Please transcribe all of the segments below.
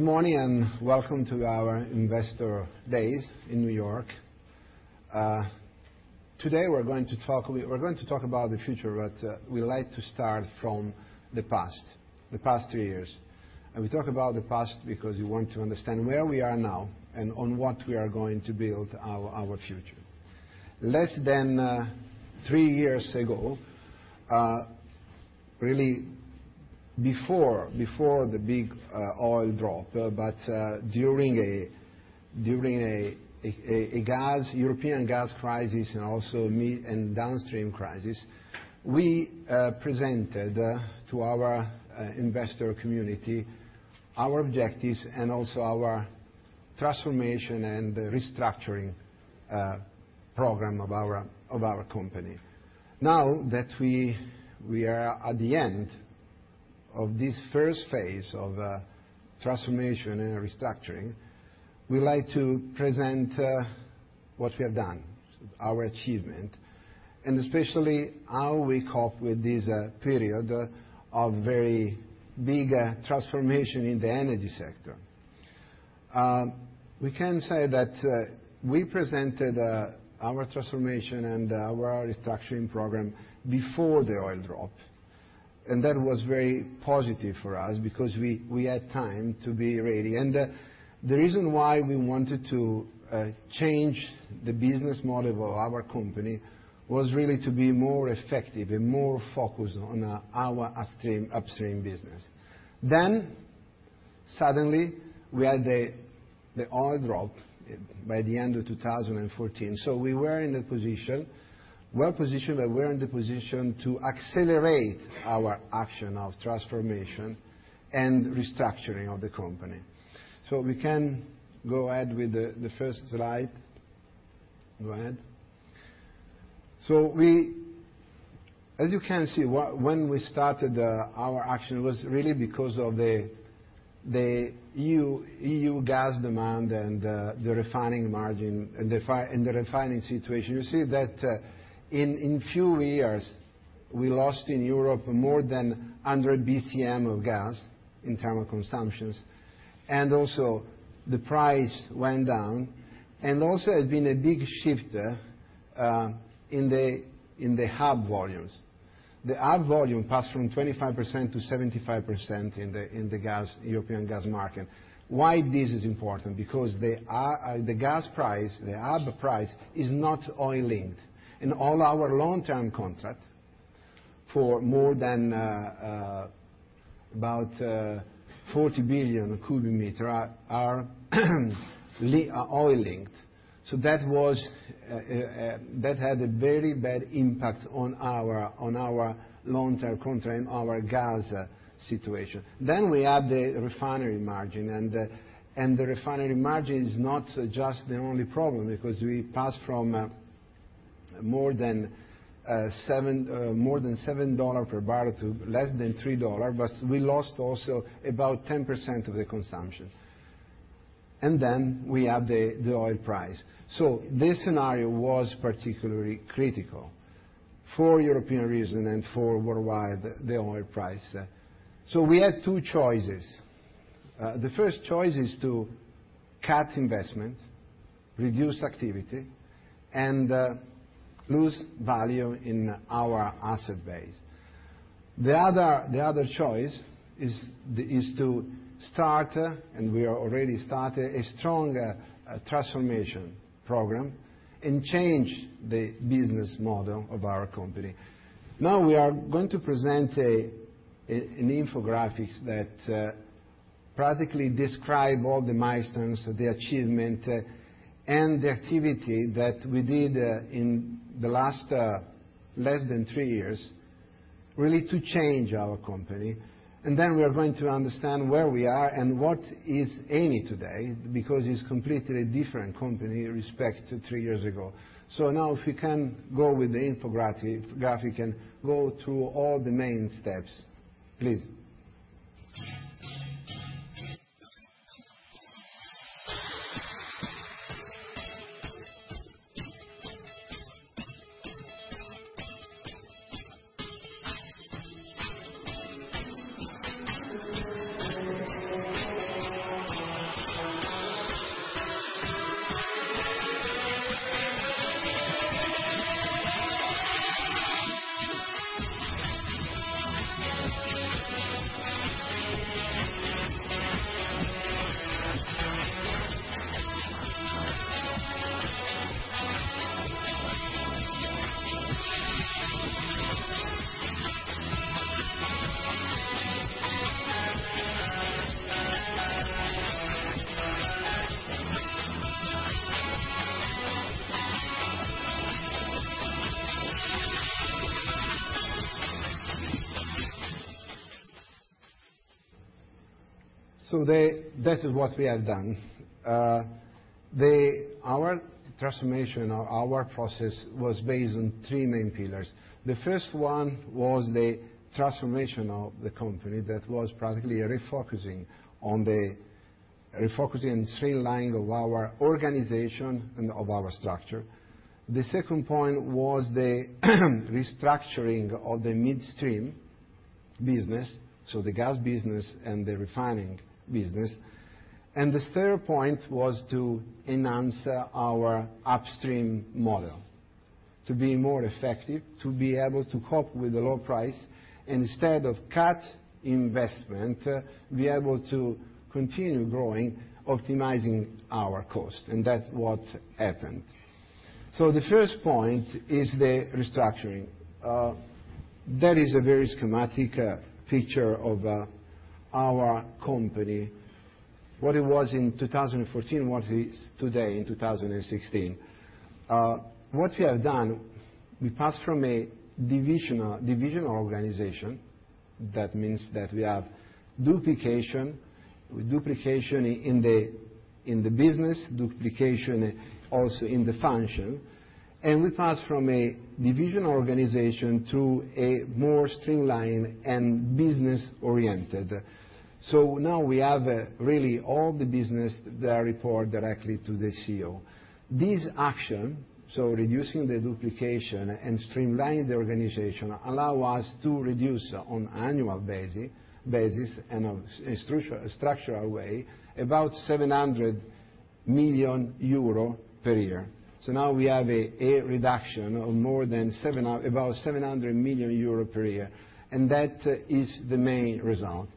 Good morning, welcome to our Investor Days in New York. Today, we're going to talk about the future, we like to start from the past, the past 2 years. We talk about the past because we want to understand where we are now, on what we are going to build our future. Less than 3 years ago, really before the big oil drop, during a European gas crisis, also mid and downstream crisis, we presented to our investor community our objectives, also our transformation and the restructuring program of our company. Now that we are at the end of this first phase of transformation and restructuring, we'd like to present what we have done, our achievement, especially how we cope with this period of very big transformation in the energy sector. We can say that we presented our transformation and our restructuring program before the oil drop. That was very positive for us because we had time to be ready. The reason why we wanted to change the business model of our company was really to be more effective and more focused on our upstream business. Suddenly, we had the oil drop by the end of 2014. We were in the position to accelerate our action of transformation and restructuring of the company. We can go ahead with the first slide. Go ahead. As you can see, when we started our action, it was really because of the EU gas demand and the refining margin, and the refining situation. You see that in few years, we lost in Europe more than 100 BCM of gas in thermal consumptions, also the price went down, also has been a big shift in the hub volumes. The hub volume passed from 25% to 75% in the European gas market. Why this is important? The gas price, the hub price, is not oil linked. In all our long-term contract, for more than about 40 billion cubic meter are oil linked. That had a very bad impact on our long-term contract and our gas situation. We add the refinery margin, the refinery margin is not just the only problem because we passed from more than $7 per barrel to less than $3, we lost also about 10% of the consumption. We add the oil price. This scenario was particularly critical for European region and for worldwide, the oil price. We had 2 choices. The first choice is to cut investment, reduce activity, and lose value in our asset base. The other choice is to start, we are already started, a strong transformation program and change the business model of our company. Now we are going to present an infographics that practically describe all the milestones, the achievement, and the activity that we did in the last less than 3 years, really to change our company. We are going to understand where we are and what is Eni today, because it's completely different company respect to 3 years ago. Now if we can go with the infographic, and go through all the main steps, please. That is what we have done. Our transformation or our process was based on three main pillars. The first one was the transformation of the company that was practically a refocusing and streamlining of our organization and of our structure. The second point was the restructuring of the midstream business, the gas business and the refining business. The third point was to enhance our upstream model, to be more effective, to be able to cope with the low price. Instead of cut investment, be able to continue growing, optimizing our cost, and that's what happened. The first point is the restructuring. That is a very schematic picture of our company, what it was in 2014, what it is today in 2016. What we have done, we passed from a divisional organization. That means that we have duplication, with duplication in the business, duplication also in the function. We pass from a divisional organization to a more streamlined and business-oriented. Now we have really all the business that report directly to the CEO. This action, reducing the duplication and streamlining the organization, allow us to reduce on annual basis, in a structural way, about 700 million euro per year. Now we have a reduction of more than about 700 million euro per year, and that is the main result.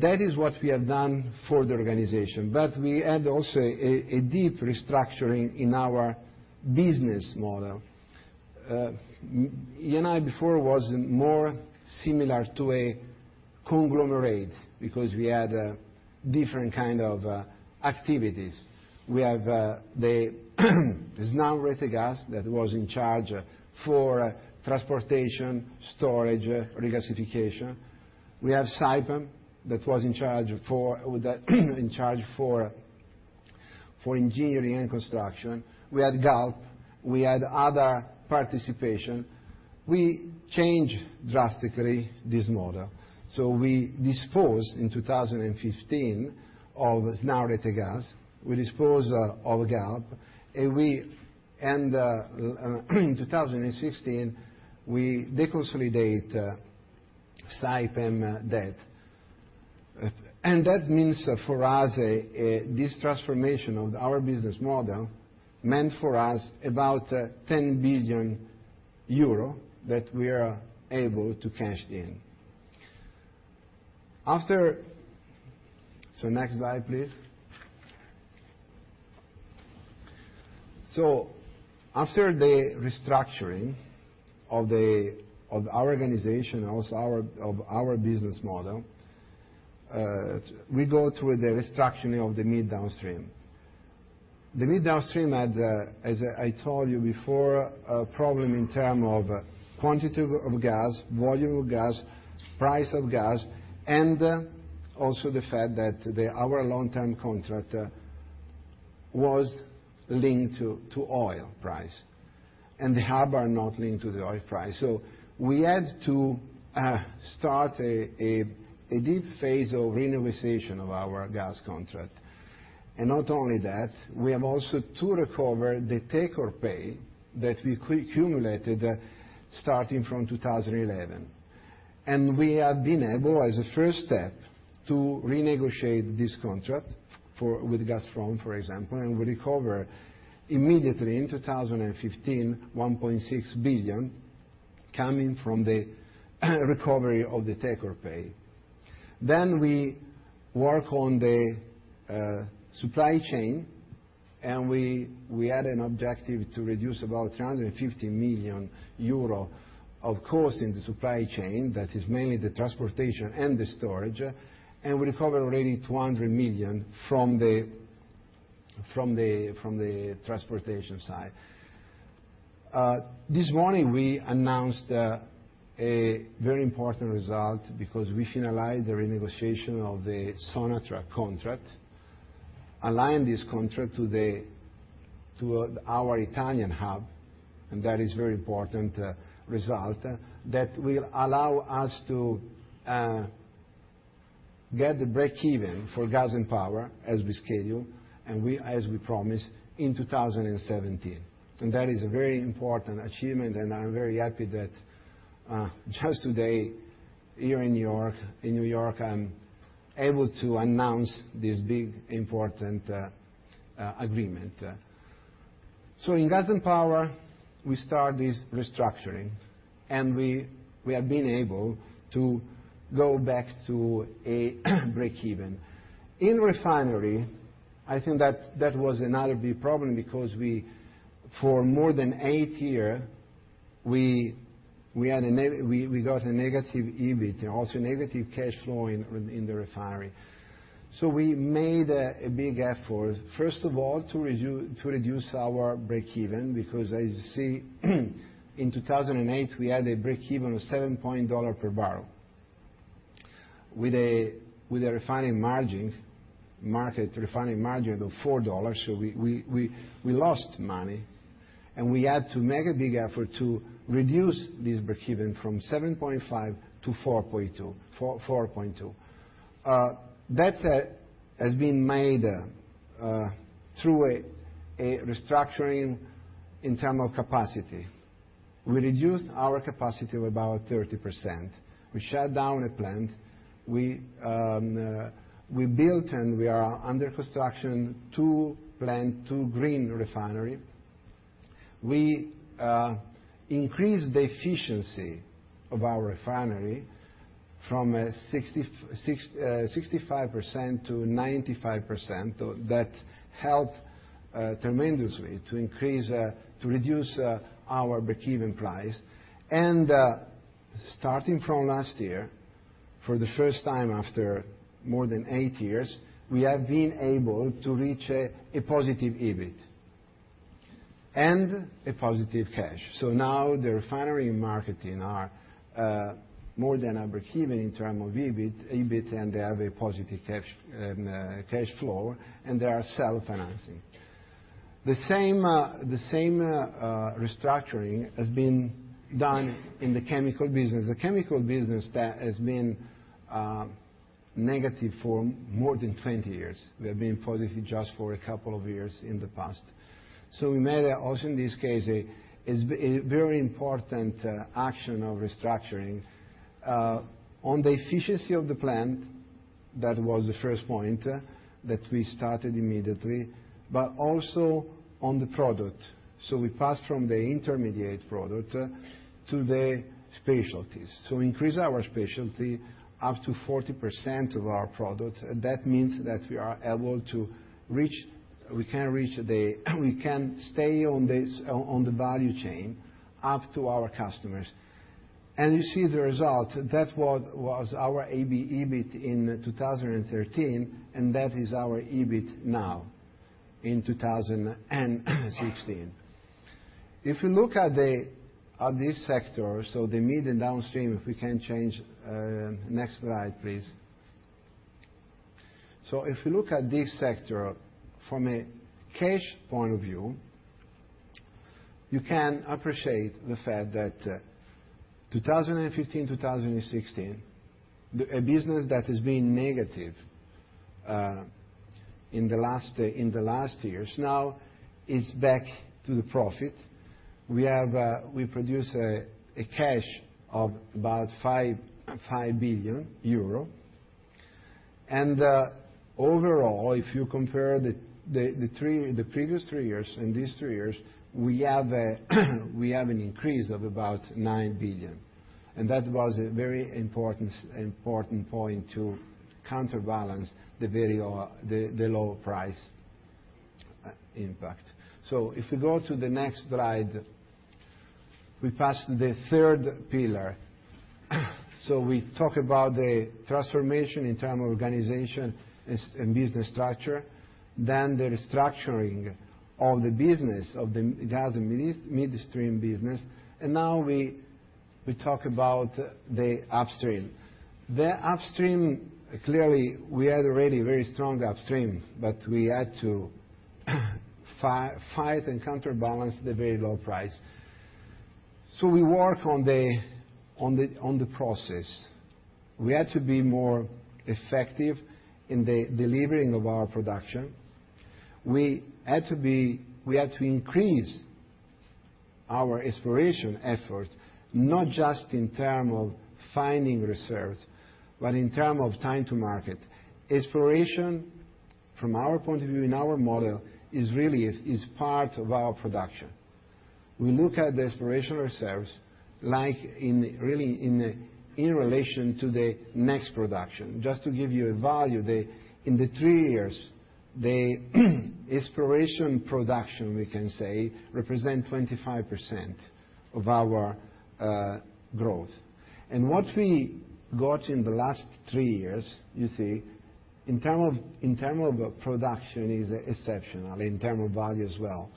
That is what we have done for the organization. We had also a deep restructuring in our business model. Eni before was more similar to a conglomerate because we had different kind of activities. We have the Snam Rete Gas that was in charge for transportation, storage, regasification. We have Saipem that was in charge for engineering and construction. We had Galp. We had other participation. We change drastically this model. We dispose in 2015 of Snam Rete Gas, we dispose of Galp, and we, in 2016, we deconsolidate Saipem debt. That means for us, this transformation of our business model meant for us about 10 billion euro that we are able to cash in. Next slide, please. After the restructuring of our organization, also of our business model, we go through the restructuring of the mid-downstream. The mid-downstream had, as I told you before, a problem in term of quantity of gas, volume of gas, price of gas, and also the fact that our long-term contract was linked to oil price, and the hub are not linked to the oil price. We had to start a deep phase of renegotiation of our gas contract. Not only that, we have also to recover the take or pay that we accumulated starting from 2011. We have been able, as a first step, to renegotiate this contract with Gazprom, for example, and recover immediately in 2015, 1.6 billion coming from the recovery of the take or pay. We work on the supply chain, and we had an objective to reduce about 350 million euro of cost in the supply chain, that is mainly the transportation and the storage, and recover already 200 million from the transportation side. This morning we announced a very important result because we finalized the renegotiation of the Sonatrach contract, aligned this contract to our Italian hub, and that is very important result that will allow us to get the breakeven for gas and power as we schedule, and as we promised in 2017. That is a very important achievement, and I'm very happy that, just today, here in New York, I'm able to announce this big, important agreement. In gas and power, we start this restructuring, and we have been able to go back to a breakeven. In refinery, I think that was another big problem because we, for more than eight years, we got a negative EBIT and also negative cash flow in the refinery. We made a big effort, first of all, to reduce our breakeven because, as you see, in 2008, we had a breakeven of $7 per barrel. With a refining margin of $4, we lost money, and we had to make a big effort to reduce this breakeven from $7.5 to $4.2. That has been made through a restructuring. In terms of capacity, we reduced our capacity by about 30%. We shut down a plant, we built and we are under construction two plants, two green refineries. We increased the efficiency of our refinery from 65% to 95%. That helped tremendously to reduce our breakeven price. Starting from last year, for the first time in more than eight years, we have been able to reach a positive EBIT and a positive cash. Now the refinery marketing is more than breakeven in terms of EBIT, and they have a positive cash flow, and they are self-financing. The same restructuring has been done in the chemical business. The chemical business has been negative for more than 20 years. We have been positive just for a couple of years in the past. We made, also in this case, a very important action of restructuring on the efficiency of the plant, that was the first point that we started immediately, but also on the product. We passed from the intermediate product to the specialties. Increase our specialty up to 40% of our product. That means that we are able to reach, we can stay on the value chain up to our customers. You see the result. That was our EBIT in 2013, and that is our EBIT now in 2016. If you look at this sector, the mid and downstream, if we can change, next slide please. If you look at this sector from a cash point of view, you can appreciate the fact that 2015, 2016, a business that has been negative in the last years, now is back to the profit. We produce a cash of about €5 billion. Overall, if you compare the previous three years and these three years, we have an increase of about 9 billion. That was a very important point to counterbalance the very low price impact. If we go to the next slide, we pass the third pillar. We talk about the transformation in terms of organization and business structure, the restructuring of the business, of the gas and midstream business, and now we talk about the upstream. The upstream, clearly, we had already a very strong upstream, but we had to fight and counterbalance the very low price. We work on the process. We had to be more effective in the delivering of our production. We had to increase our exploration efforts, not just in terms of finding reserves, but in terms of time to market. Exploration, from our point of view, in our model, is really part of our production. We look at the exploration reserves, like really in relation to the next production. Just to give you a value, in the 3 years, the exploration production, we can say, represents 25% of our growth. What we got in the last 3 years, you see, in terms of production is exceptional, in terms of value as well.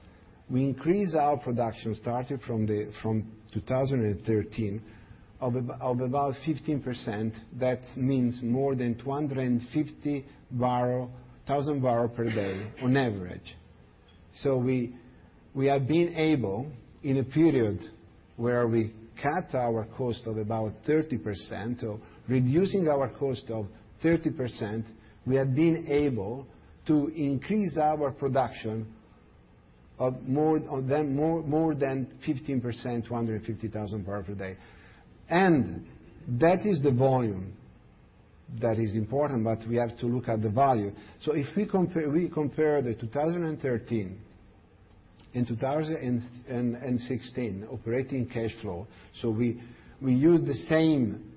We increased our production, starting from 2013, of about 15%. That means more than 250,000 barrels per day on average. We have been able, in a period where we cut our cost of about 30%, reducing our cost of 30%, we have been able to increase our production of more than 15%, 250,000 barrels per day. That is the volume that is important, but we have to look at the value. If we compare the 2013 and 2016 operating cash flow, we use the same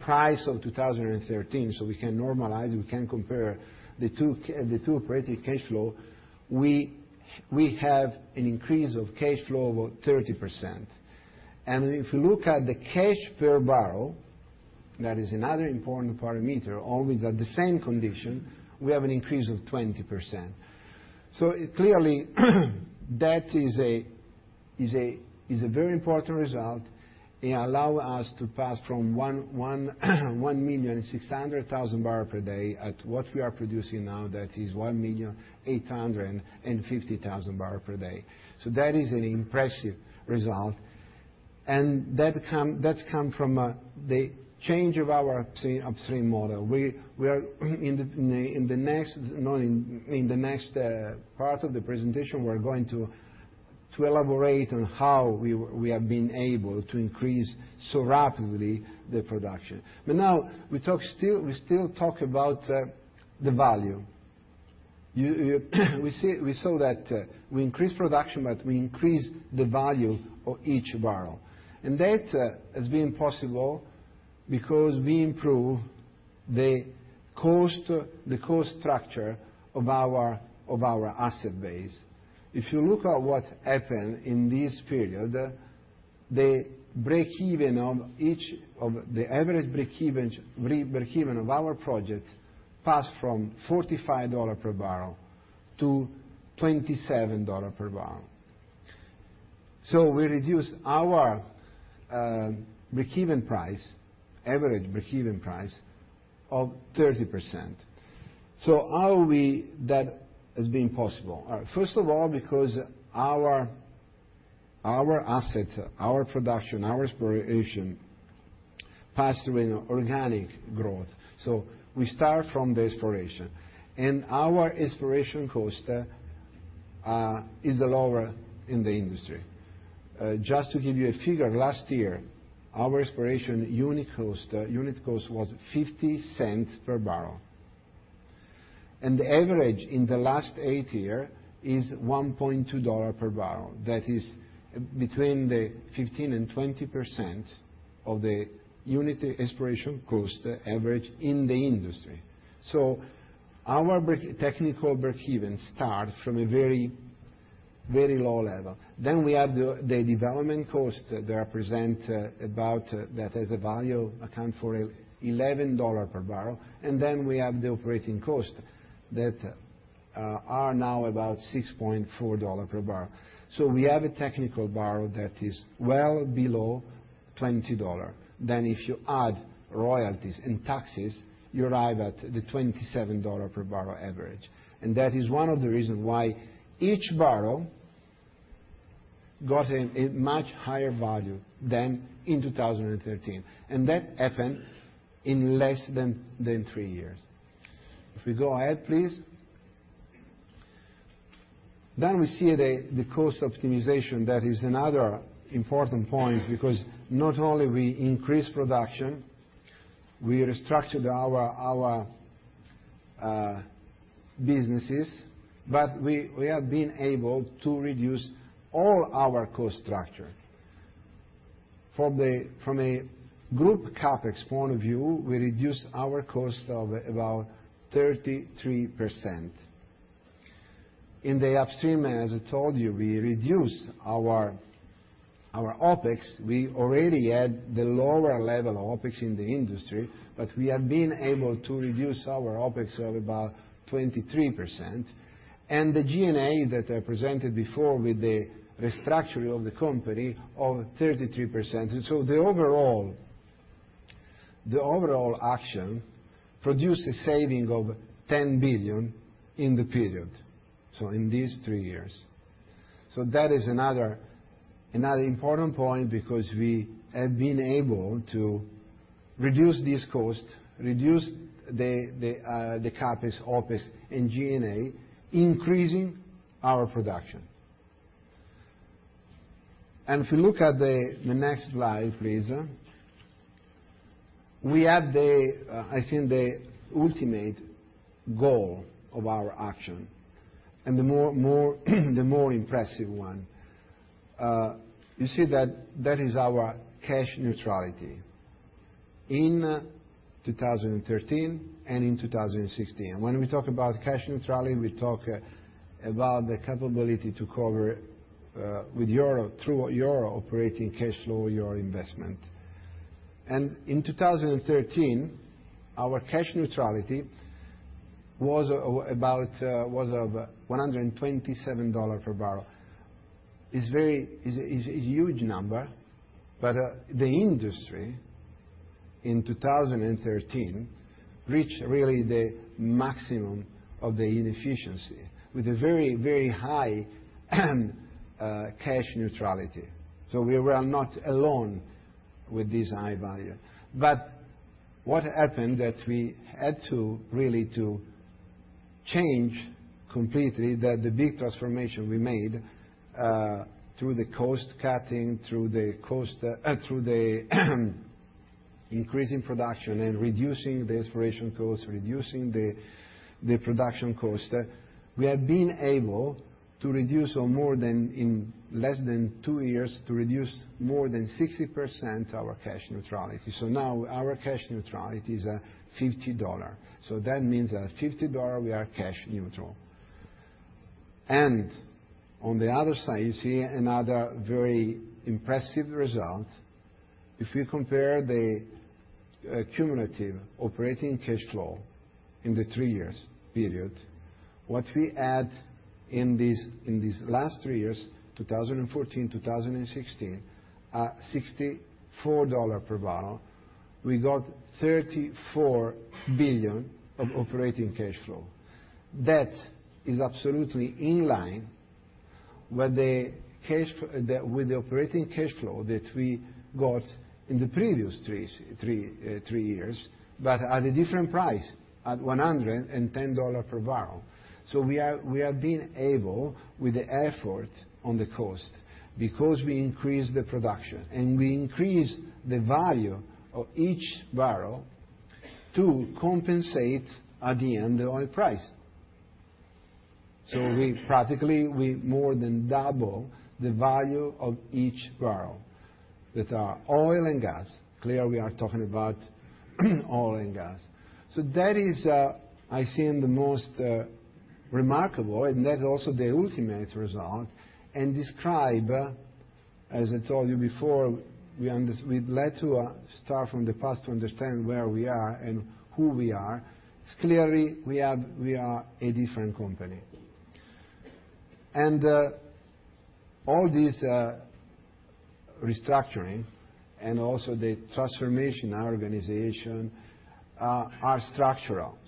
price of 2013, we can normalize, we can compare the two operating cash flow, we have an increase of cash flow of 30%. If you look at the cash per barrel, that is another important parameter, always at the same condition, we have an increase of 20%. Clearly, that is a very important result. It allows us to pass from 1,600,000 barrels per day at what we are producing now, that is 1,850,000 barrels per day. That is an impressive result. That come from the change of our upstream model. In the next part of the presentation, we're going to elaborate on how we have been able to increase so rapidly the production. Now, we still talk about the value. We saw that we increased production, we increased the value of each barrel. That has been possible because we improved the cost structure of our asset base. If you look at what happened in this period, the average break-even of our project passed from $45 per barrel to $27 per barrel. We reduced our average break-even price of 30%. How that has been possible? First of all, because our asset, our production, our exploration, passed through an organic growth. We start from the exploration. Our exploration cost is lower in the industry. Just to give you a figure, last year, our exploration unit cost was $0.50 per barrel. The average in the last 8 years is $1.20 per barrel. That is between the 15% and 20% of the unit exploration cost average in the industry. Our technical break-even start from a very low level. We have the development cost that I present about that has a value account for $11 per barrel. We have the operating cost that are now about $6.40 per barrel. We have a technical barrel that is well below $20. If you add royalties and taxes, you arrive at the $27 per barrel average. That is one of the reasons why each barrel got a much higher value than in 2013, and that happened in less than 3 years. If we go ahead, please. We see the cost optimization. That is another important point because not only we increase production, we restructured our businesses, we have been able to reduce all our cost structure. From a group CapEx point of view, we reduced our cost of about 33%. In the upstream, as I told you, we reduced our OpEx. We already had the lower level OpEx in the industry, but we have been able to reduce our OpEx of about 23%, and the G&A that I presented before with the restructuring of the company of 33%. The overall action produced a saving of 10 billion in the period, so in these three years. That is another important point because we have been able to reduce these costs, reduce the CapEx, OpEx, and G&A, increasing our production. If you look at the next slide, please. We have, I think, the ultimate goal of our action, and the more impressive one. You see that is our cash neutrality in 2013 and in 2016. When we talk about cash neutrality, we talk about the capability to cover through your operating cash flow, your investment. In 2013, our cash neutrality was of $127 per barrel. It's huge number, but the industry in 2013 reached really the maximum of the inefficiency with a very high cash neutrality. We were not alone with this high value. What happened that we had really to change completely the big transformation we made, through the cost cutting, through the increasing production and reducing the exploration cost, reducing the production cost. We have been able, in less than two years, to reduce more than 60% our cash neutrality. Now our cash neutrality is $50. That means at $50, we are cash neutral. On the other side, you see another very impressive result. If you compare the cumulative operating cash flow in the three years period, what we had in these last three years, 2014, 2016, $64 per barrel. We got $34 billion of operating cash flow. That is absolutely in line with the operating cash flow that we got in the previous three years, but at a different price, at $110 per barrel. We have been able, with the effort on the cost, because we increased the production, and we increased the value of each barrel to compensate at the end, the oil price. Practically, we more than double the value of each barrel that are oil and gas. Clearly, we are talking about oil and gas. That is, I think, the most remarkable, and that is also the ultimate result, and describe, as I told you before, we'd like to start from the past to understand where we are and who we are. Clearly, we are a different company. All this restructuring and also the transformation in our organization are structural.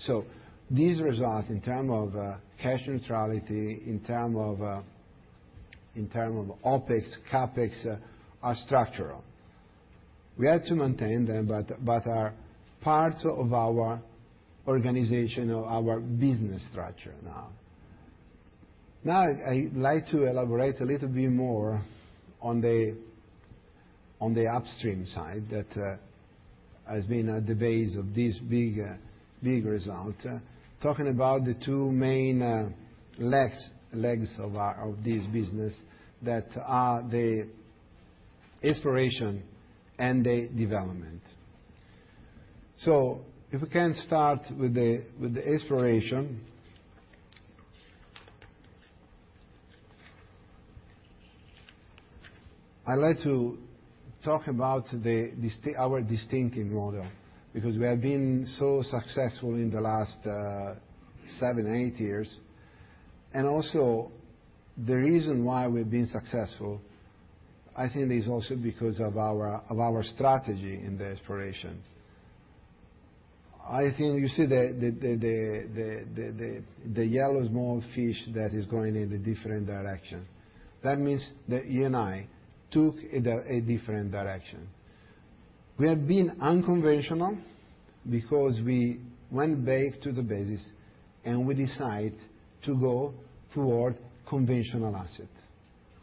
These results in term of cash neutrality, in term of OpEx, CapEx, are structural. We have to maintain them, but are part of our organization, of our business structure now. Now, I'd like to elaborate a little bit more on the upstream side that has been at the base of this big result. Talking about the two main legs of this business that are the exploration and the development. If we can start with the exploration. I'd like to talk about our distinctive model, because we have been so successful in the last seven, eight years, and also the reason why we've been successful, I think, is also because of our strategy in the exploration. I think you see the yellow small fish that is going in the different direction. That means that Eni took a different direction. We have been unconventional because we went back to the basis, and we decide to go toward conventional asset.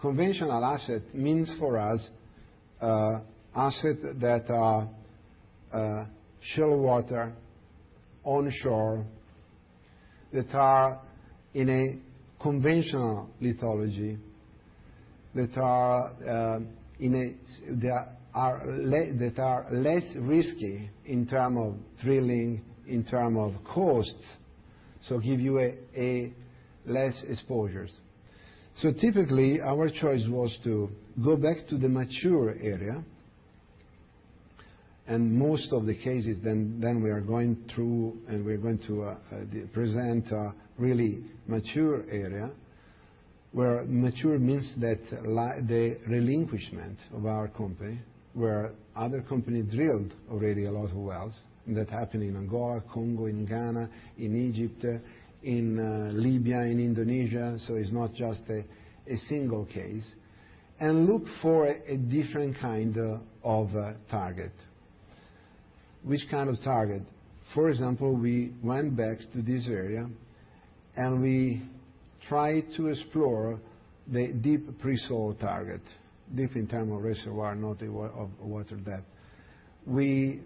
Conventional asset means for us, asset that are shallow water, onshore, that are in a conventional lithology, that are less risky in term of drilling, in term of costs, give you a less exposures. Typically, our choice was to go back to the mature area. Most of the cases then we are going through, and we're going to present a really mature area, where mature means that the relinquishment of our company, where other company drilled already a lot of wells. That happened in Angola, Congo, in Ghana, in Egypt, in Libya, in Indonesia, so it's not just a single case, and look for a different kind of target. Which kind of target? For example, we went back to this area, and we try to explore the deep pre-salt target, deep in term of reservoir, not in water depth. We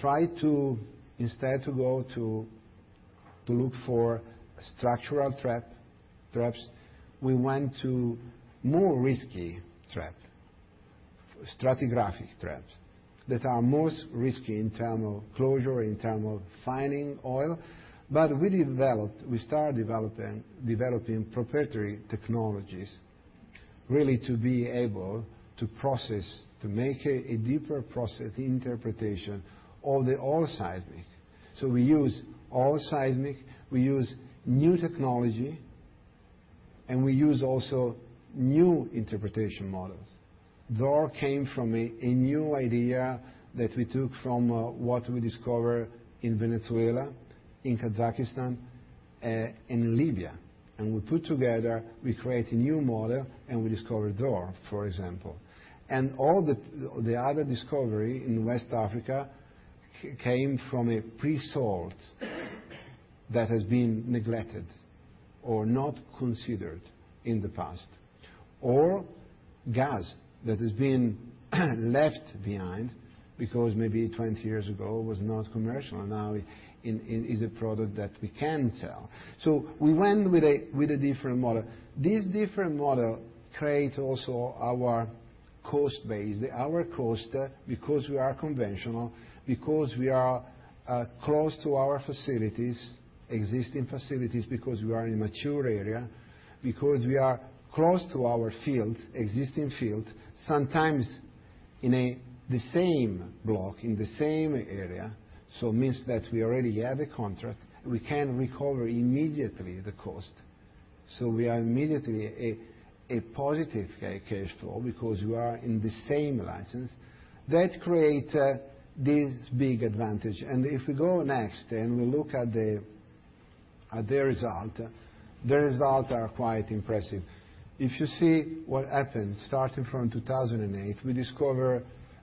try to, instead to go to look for structural traps, we went to more risky trap, stratigraphic traps, that are most risky in term of closure, in term of finding oil. We started developing proprietary technologies, really to be able to process, to make a deeper process interpretation of the whole seismic. We use whole seismic, we use new technology, and we use also new interpretation models. Zohr came from a new idea that we took from what we discover in Venezuela, in Kazakhstan, and in Libya. We put together, we create a new model, and we discover Zohr, for example. All the other discovery in West Africa came from a pre-salt that has been neglected or not considered in the past, or gas that has been left behind because maybe 20 years ago was not commercial. Now it is a product that we can sell. We went with a different model. This different model create also our cost base, our cost because we are conventional, because we are close to our facilities, existing facilities, because we are in a mature area, because we are close to our field, existing field, sometimes in the same block, in the same area. Means that we already have a contract, we can recover immediately the cost. We are immediately a positive cash flow because you are in the same license. That create this big advantage. If we go next, and we look at the result. The result are quite impressive. If you see what happened, starting from 2008, we discover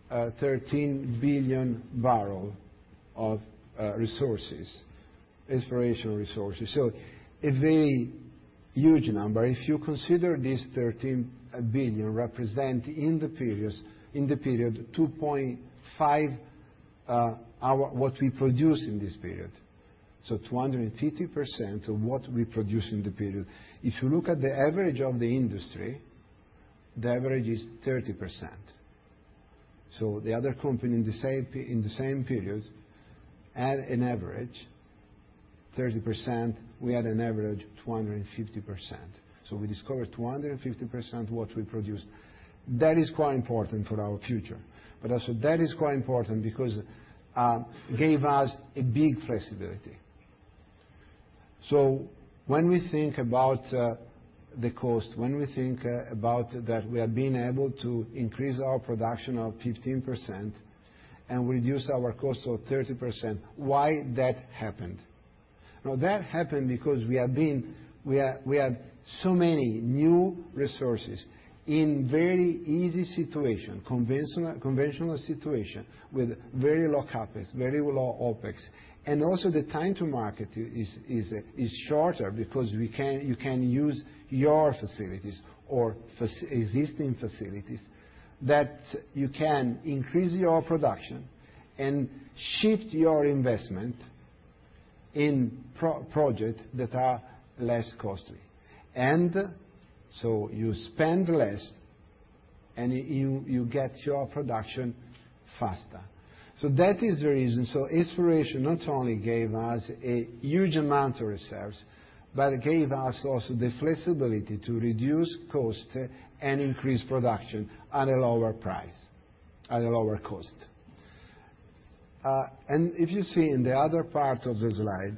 13 billion barrel of resources, exploration resources. A very huge number. If you consider this 13 billion represent in the period 2.5 what we produce in this period, 250% of what we produce in the period. If you look at the average of the industry, the average is 30%. The other company in the same period, at an average 30%, we had an average 250%. We discovered 250% what we produced. That is quite important for our future. Also that is quite important because gave us a big flexibility. When we think about the cost, when we think about that we have been able to increase our production of 15% and reduce our cost to 30%, why that happened? That happened because we have so many new resources in very easy situation, conventional situation with very low CapEx, very low OpEx. The time to market is shorter because you can use your facilities or existing facilities that you can increase your production and shift your investment in project that are less costly. You spend less, and you get your production faster. That is the reason. Exploration not only gave us a huge amount of reserves, but it gave us also the flexibility to reduce cost and increase production at a lower price, at a lower cost. If you see in the other part of the slide,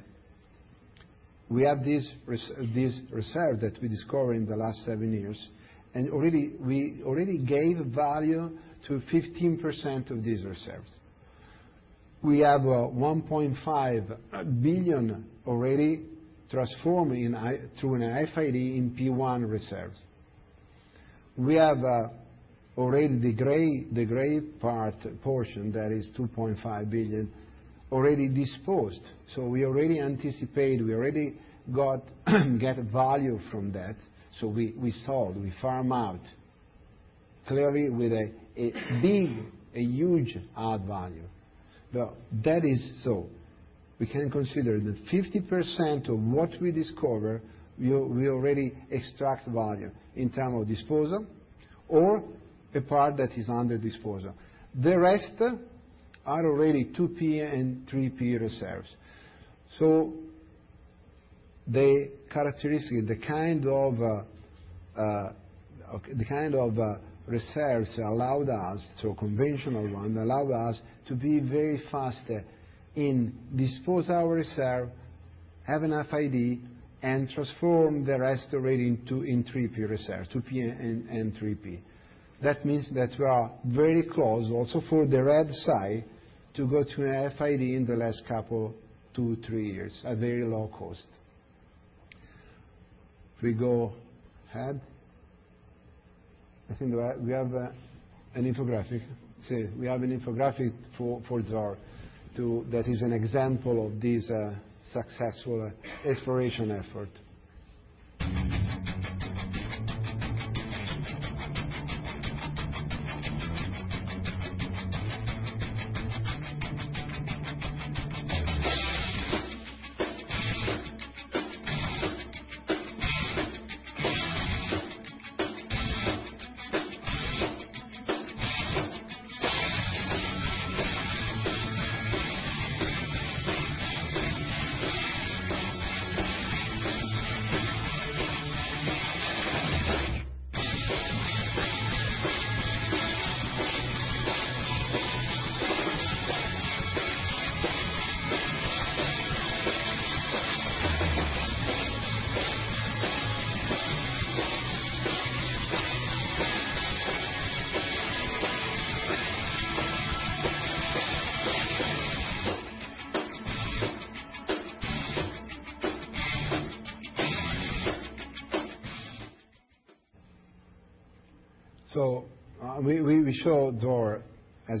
we have this reserve that we discover in the last 7 years, and we already gave value to 15% of these reserves. We have 1.5 billion already transformed through an FID in P1 reserves. We have already the gray part portion, that is 2.5 billion, already disposed. We already anticipate, we already get value from that. We sold, we farm out, clearly with a big, a huge add value. That is so. We can consider that 50% of what we discover, we already extract value in term of disposal or the part that is under disposal. The rest are already 2P and 3P reserves. The characteristic, the kind of reserves allowed us, conventional one, allowed us to be very fast in dispose our reserve, have an FID, and transform the rest already into 3P reserves, 2P and 3P. We are very close also for the red sign to go to an FID in the last couple two, three years at very low cost. I think we have an infographic. Si, we have an infographic for Zohr. That is an example of this successful exploration effort.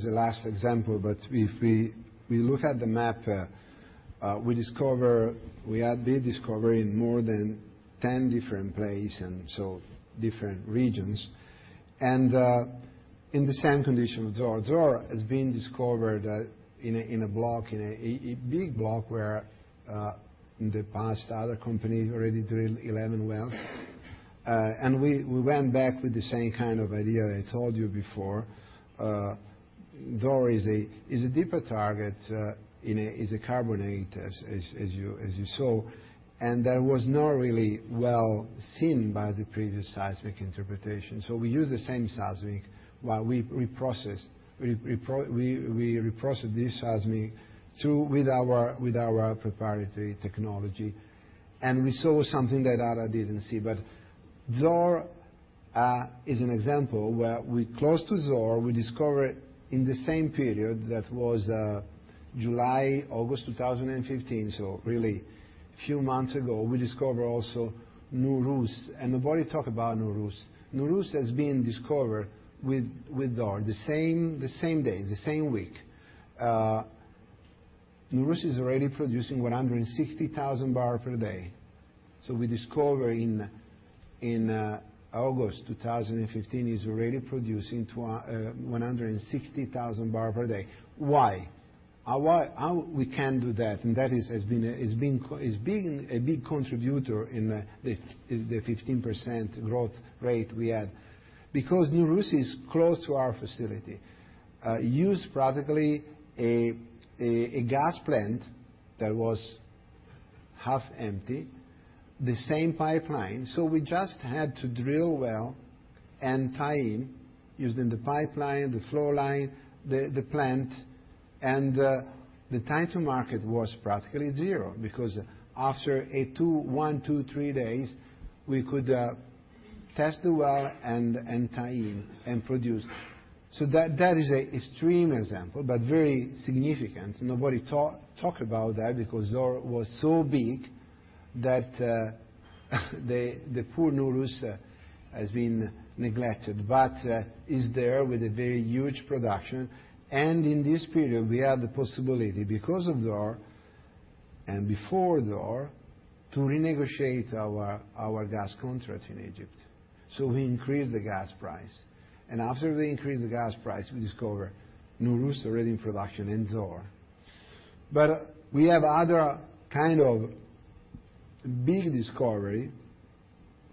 We show Zohr as a last example, if we look at the map, we did discover in more than 10 different places, different regions. In the same condition with Zohr. Zohr has been discovered in a big block where in the past other companies already drilled 11 wells. We went back with the same kind of idea I told you before. Zohr is a deeper target, is a carbonate as you saw, that was not really well seen by the previous seismic interpretation. We use the same seismic while we reprocess this seismic with our proprietary technology, we saw something that others didn't see. Zohr as an example, where we're close to Zohr, we discover in the same period, that was July, August 2015, a few months ago, we discover also Nooros. Nobody talks about Nooros. Nooros has been discovered with Zohr, the same day, the same week. Nooros is already producing 160,000 barrels per day. We discover in August 2015, it's already producing 160,000 barrels per day. Why? How we can do that? That has been a big contributor in the 15% growth rate we had. Nooros is close to our facility, used practically a gas plant that was half empty, the same pipeline. We just had to drill a well and tie in using the pipeline, the flow line, the plant. The time to market was practically zero because after 1, 2, 3 days, we could test the well and tie in and produce. That is an extreme example, but very significant. Nobody talked about that because Zohr was so big that the poor Nooros has been neglected but is there with a very huge production. In this period we had the possibility, because of Zohr, and before Zohr, to renegotiate our gas contract in Egypt. We increased the gas price. After we increased the gas price, we discover Nooros already in production and Zohr. We have other kind of big discovery.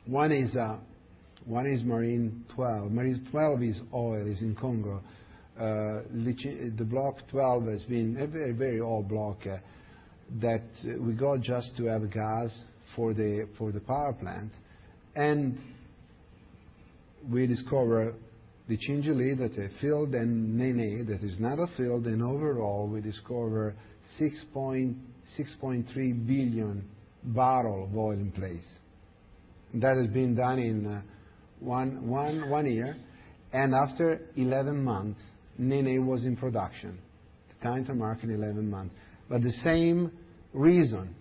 One is Marine XII. Marine XII is oil, it's in Congo. The Marine XII has been a very old block that we got just to have gas for the power plant. We discover Litchendjili that's a field, and Nené that is another field, and overall we discover 6.3 billion barrel of oil in place. That has been done in one year. After 11 months, Nené was in production. The time to market, 11 months. The same reason.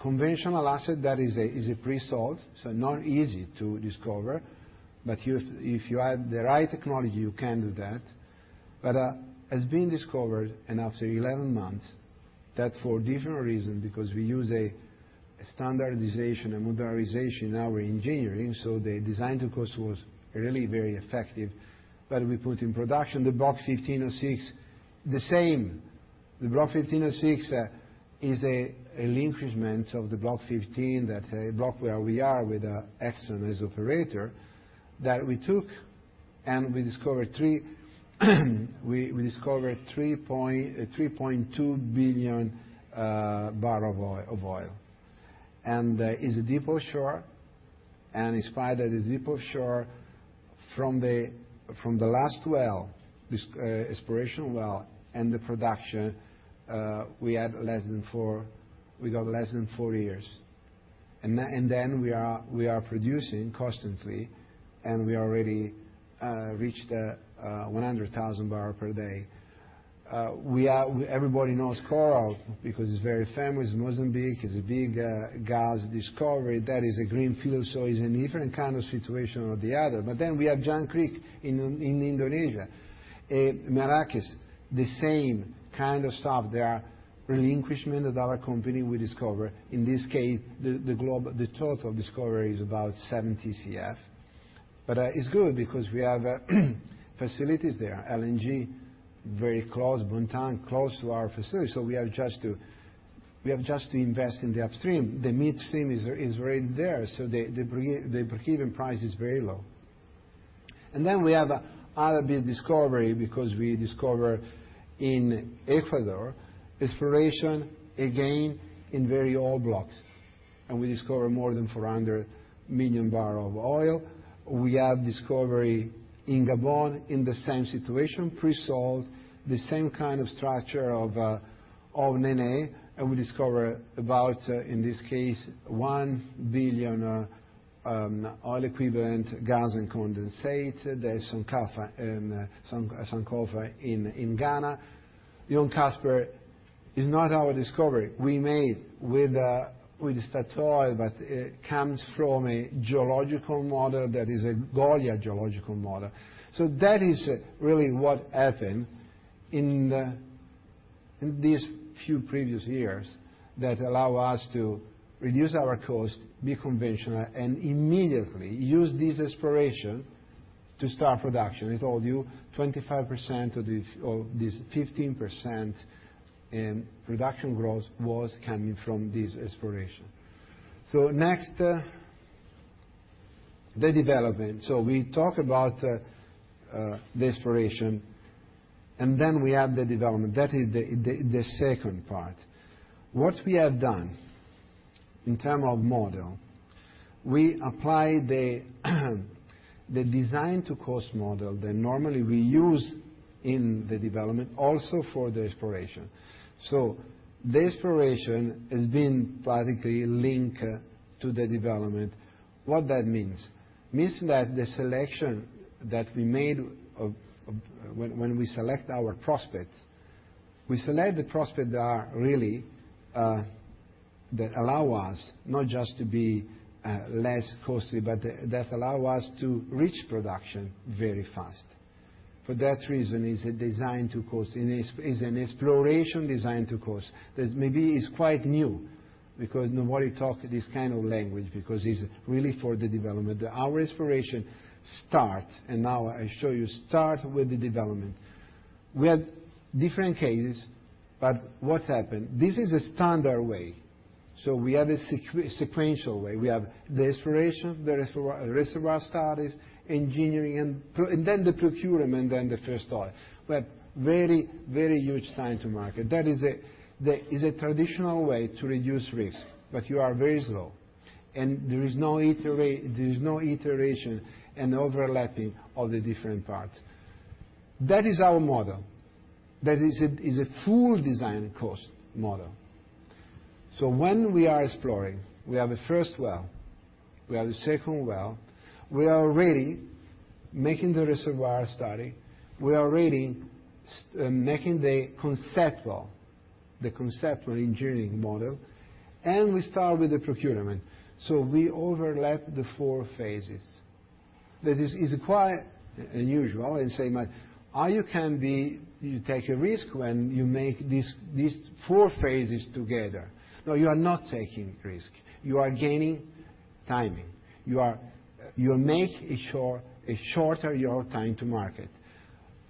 Conventional asset that is pre-salt, so not easy to discover, but if you have the right technology, you can do that. Has been discovered, and after 11 months, that for different reason because we use a standardization, a modernization in our engineering, so the design to cost was really very effective. We put in production the Block 15/06, the same. The Block 15/06 is a relinquishment of the Block 15, that block where we are with Exxon as operator, that we took, and we discovered 3.2 billion barrel of oil. Is a deep offshore, and despite that is deep offshore, from the last well, exploration well, and the production, we got less than four years. Then we are producing constantly, and we already reached 100,000 barrel per day. Everybody knows Coral because it's very famous. Mozambique is a big gas discovery. That is a greenfield, so is a different kind of situation of the other. Then we have Jangkrik in Indonesia. Merakes, the same kind of stuff. They are relinquishment that other company will discover. In this case, the total discovery is about 7 TCF. It's good because we have facilities there. LNG very close, Bontang close to our facility, so we have just to invest in the upstream. The midstream is already there, so the breakeven price is very low. Then we have other big discovery because we discover in Ecuador exploration again in very old blocks. We discover more than 400 million barrel of oil. We have discovery in Gabon in the same situation, pre-salt. The same kind of structure of Nené, and we discover about, in this case, 1 billion oil equivalent gas and condensate. There's Sankofa in Ghana. Johan Castberg is not our discovery. We made with Statoil, but it comes from a geological model that is a Goliat geological model. That is really what happened in these few previous years that allow us to reduce our cost, be conventional, and immediately use this exploration to start production. I told you, 25% of this 15% in production growth was coming from this exploration. Next, the development. We talk about the exploration, and then we have the development. That is the second part. What we have done in term of model, we apply the design to cost model that normally we use in the development, also for the exploration. The exploration has been practically linked to the development. What that means? Means that the selection that we made, when we select our prospects, we select the prospects that allow us not just to be less costly, but that allow us to reach production very fast. For that reason, it's an exploration design to cost. That maybe is quite new because nobody talks this kind of language, because it's really for the development. Our exploration starts, and now I show you, start with the development. We have different cases. What happened? This is a standard way. We have a sequential way. We have the exploration, the reservoir studies, engineering, and then the procurement, and then the first oil. Very, very huge time to market. That is a traditional way to reduce risk, but you are very slow, and there is no iteration and overlapping of the different parts. That is our model. That is a full design to cost model. When we are exploring, we have a first well, we have the second well, we are already making the reservoir study, we are already making the conceptual engineering model, and we start with the procurement. We overlap the four phases. That is quite unusual. You say, "You take a risk when you make these four phases together." No, you are not taking risk. You are gaining timing. You make a shorter your time to market.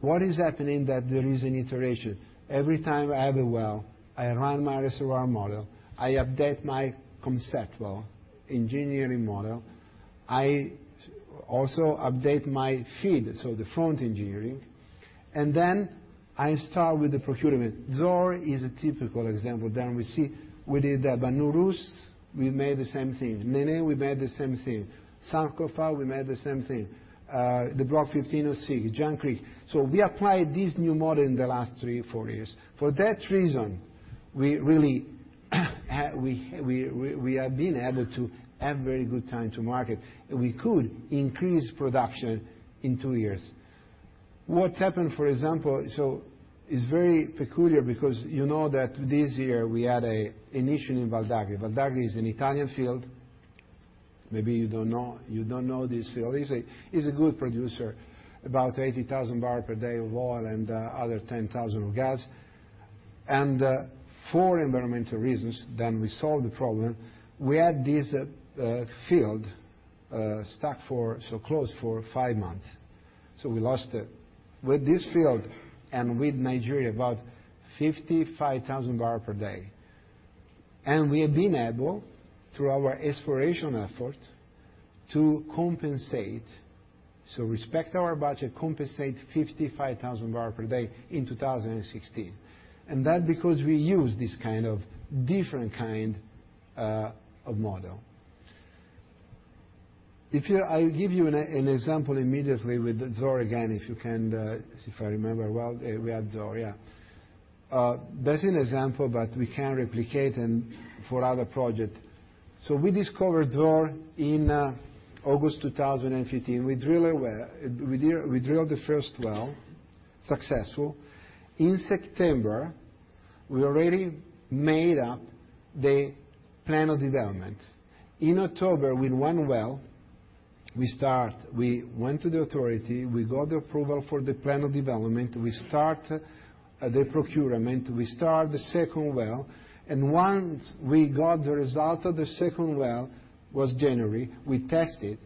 What is happening that there is an iteration? Every time I have a well, I run my reservoir model, I update my conceptual engineering model, I also update my FEED, so the front engineering, and then I start with the procurement. Zohr is a typical example. We see, we did the Habanoos, we made the same thing. Nené, we made the same thing. Sankofa, we made the same thing. The Block 15/06, Jangkrik. We applied this new model in the last three, four years. For that reason, we have been able to have very good time to market, and we could increase production in two years. What happened, for example, it's very peculiar because you know that this year we had an issue in Val d'Agri. Val d'Agri is an Italian field. Maybe you don't know this field. It's a good producer, about 80,000 barrels per day of oil and other 10,000 of gas. For environmental reasons, we solved the problem, we had this field stuck for, closed for five months. We lost it. With this field and with Nigeria, about 55,000 barrels per day. We have been able, through our exploration effort, to compensate. Respect our budget, compensate 55,000 barrels per day in 2016. That because we use this different kind of model. I'll give you an example immediately with the Zohr again, if I remember well. We have Zohr, yeah. That's an example that we can replicate for other project. We discovered Zohr in August 2015. We drilled the first well, successful. In September, we already made up the plan of development. In October, with one well, we went to the authority, we got the approval for the plan of development. We start the procurement. We start the second well, and once we got the result of the second well, was January, we test it.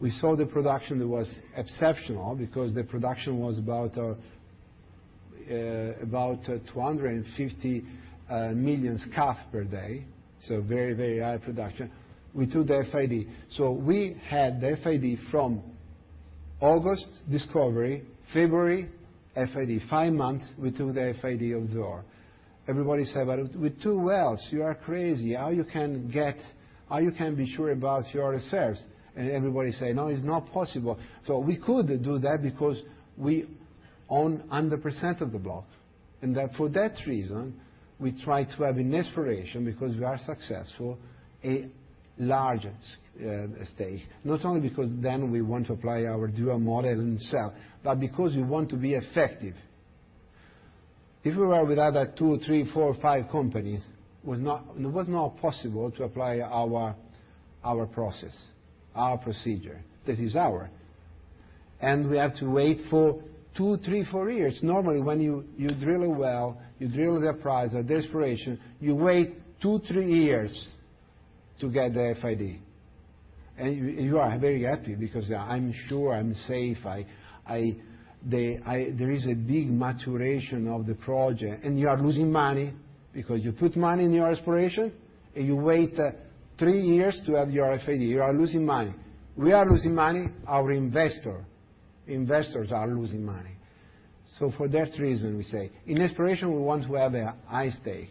We saw the production was exceptional because the production was about 250 MMscf/d. Very, very high production. We took the FID. We had the FID from August discovery, February FID. Five months we took the FID of Zohr. Everybody said, "With two wells, you are crazy. How you can be sure about your reserves?" Everybody say, "No, it's not possible." We could do that because we own 100% of the block, for that reason, we try to have an exploration because we are successful a large stake. Not only because we want to apply our dual model itself, but because we want to be effective. If we were with other two, three, four, five companies, it was not possible to apply our process, our procedure. We have to wait for two, three, four years. Normally, when you drill a well, you drill the appraiser, the exploration, you wait two, three years to get the FID. You are very happy because I'm sure, I'm safe. There is a big maturation of the project, you are losing money because you put money in your exploration, you wait three years to have your FID. You are losing money. We are losing money. Our investors are losing money. For that reason, we say, in exploration, we want to have a high stake.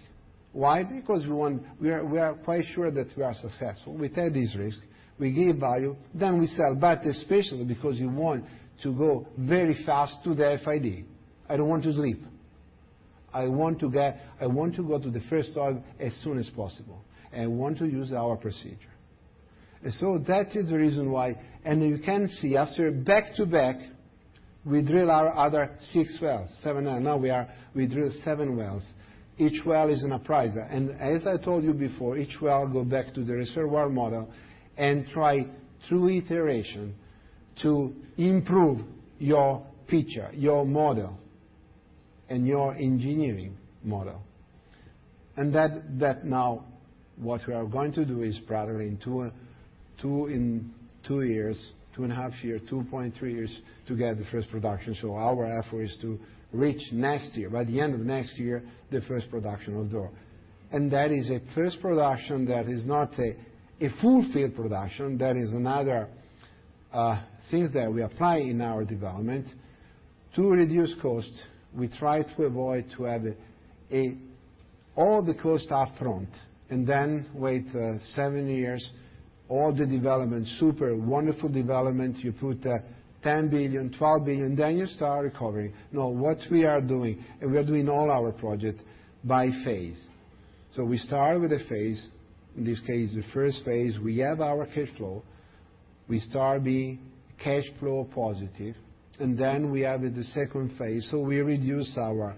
Why? Because we are quite sure that we are successful. We take this risk, we give value, then we sell. Especially because you want to go very fast to the FID. I don't want to sleep. I want to go to the first oil as soon as possible, want to use our procedure. That is the reason why. You can see after back to back, we drill our other six wells, seven. Now we drill seven wells. Each well is an appraiser. As I told you before, each well go back to the reservoir model and try, through iteration, to improve your feature, your model, and your engineering model. That now what we are going to do is probably in two years, two and a half year, 2.3 years to get the first production. Our effort is to reach next year, by the end of next year, the first production of Zohr. That is a first production that is not a full field production. That is another things that we apply in our development. To reduce costs, we try to avoid to have all the costs up front, wait seven years, all the development, super wonderful development, you put 10 billion, 12 billion, you start recovering. No, what we are doing. We are doing all our project by phase. We start with a phase. In this case, the first phase, we have our cash flow. We start being cash flow positive. Then we have the second phase. We reduce our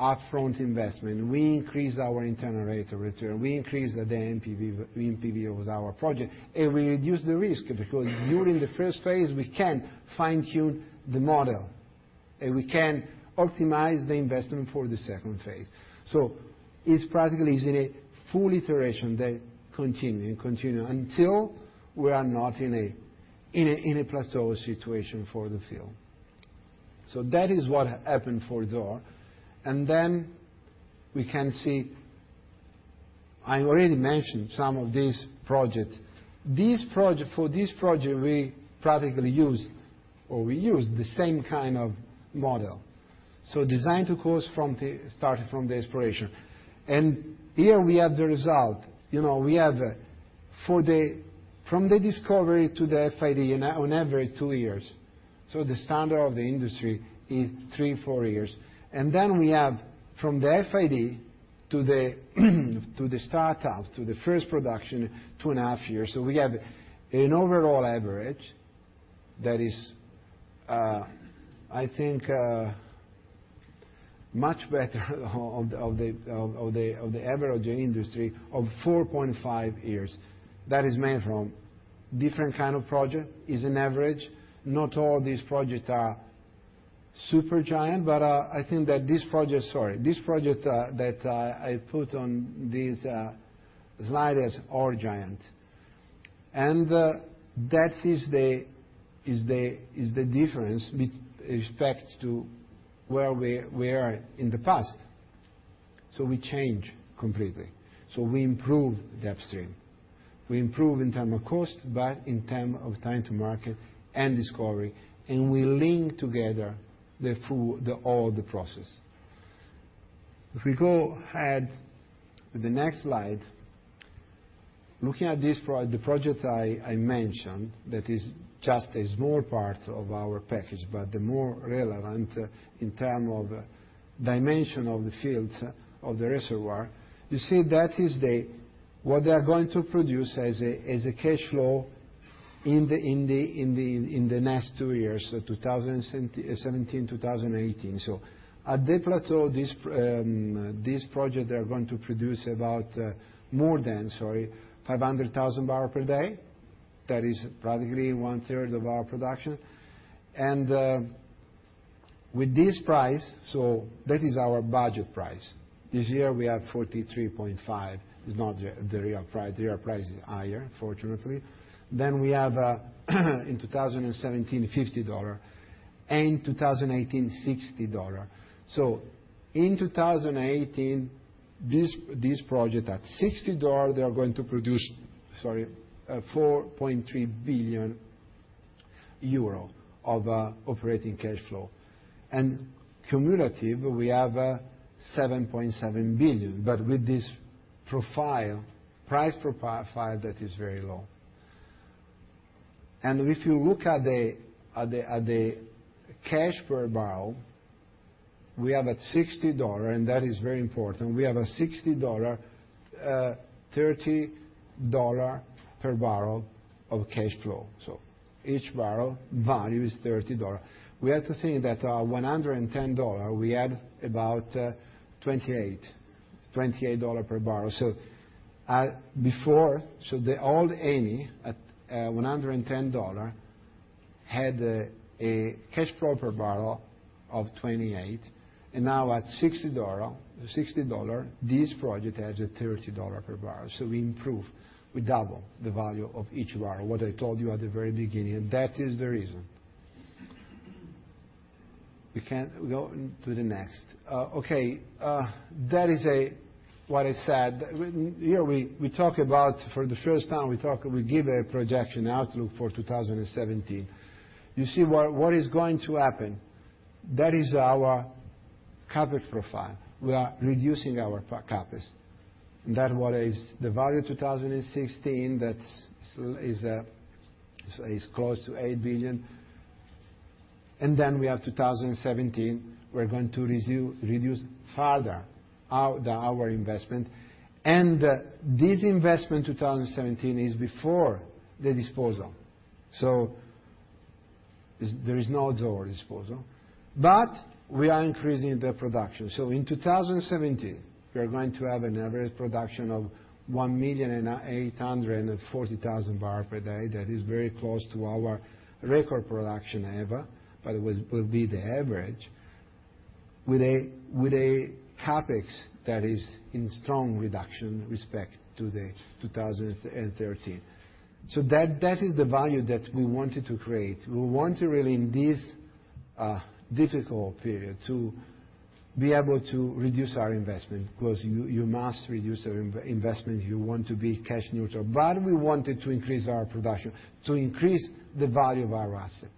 upfront investment. We increase our internal rate of return. We increase the NPV of our project, we reduce the risk because during the first phase, we can fine-tune the model, we can optimize the investment for the second phase. It's practically is in a full iteration that continue and continue until we are not in a plateau situation for the field. That is what happened for Zohr, we can see, I already mentioned some of these projects. For this project, we practically used, or we used the same kind of model. Design to cost starting from the exploration. Here we have the result. We have from the discovery to the FID, on average, two years. The standard of the industry is three, four years. Then we have from the FID to the startup, to the first production, two and a half years. We have an overall average that is, I think, much better of the average industry of 4.5 years. That is made from different kind of project, is an average. Not all these projects are super giant, but I think that this project that I put on this slide as our giant. That is the difference with respect to where we are in the past. We change completely. We improve the upstream. We improve in term of cost, but in term of time to market and discovery, and we link together all the process. If we go ahead to the next slide. Looking at the project I mentioned, that is just a small part of our package, but the more relevant in term of dimension of the fields of the reservoir. You see that is what they are going to produce as a cash flow in the next two years, 2017, 2018. At the plateau of this project, they are going to produce about more than, sorry, 500,000 barrel per day. That is practically one third of our production. With this price, that is our budget price. This year we have 43.5. It's not the real price. The real price is higher, fortunately. Then we have, in 2017, $50, and 2018, $60. In 2018, this project at $60, they are going to produce, sorry, 4.3 billion euro of operating cash flow. Cumulative, we have 7.7 billion, but with this price profile, that is very low. If you look at the cash per barrel, we have at $60, and that is very important. We have at $60, $30 per barrel of cash flow. Each barrel value is $30. We have to think that $110, we had about $28 per barrel. Before, the old Eni, at $110, had a cash flow per barrel of $28, and now at $60, this project has a $30 per barrel. We improve. We double the value of each barrel. What I told you at the very beginning, that is the reason. We can go to the next. Okay. That is what I said. Here, we talk about, for the first time, we give a projection outlook for 2017. You see what is going to happen? That is our CapEx profile. We are reducing our CapEx. That was the value 2016, that still is close to 8 billion. Then we have 2017, we're going to reduce further our investment. This investment 2017 is before the disposal. There is no Zohr disposal, but we are increasing the production. In 2017, we are going to have an average production of 1,840,000 barrel per day. That is very close to our record production ever, but it will be the average, with a CapEx that is in strong reduction respect to the 2013. That is the value that we wanted to create. We want to really, in this difficult period, to be able to reduce our investment, because you must reduce your investment if you want to be cash neutral. We wanted to increase our production, to increase the value of our asset,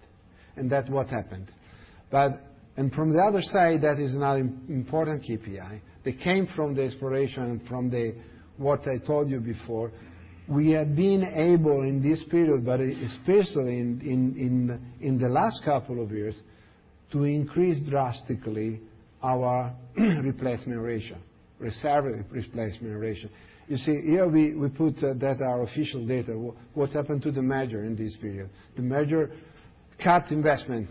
and that's what happened. From the other side, that is now important KPI, that came from the exploration, from what I told you before. We have been able in this period, but especially in the last couple of years, to increase drastically our replacement ratio, reserve replacement ratio. You see, here we put our official data, what happened to the major in this period. The major cut investment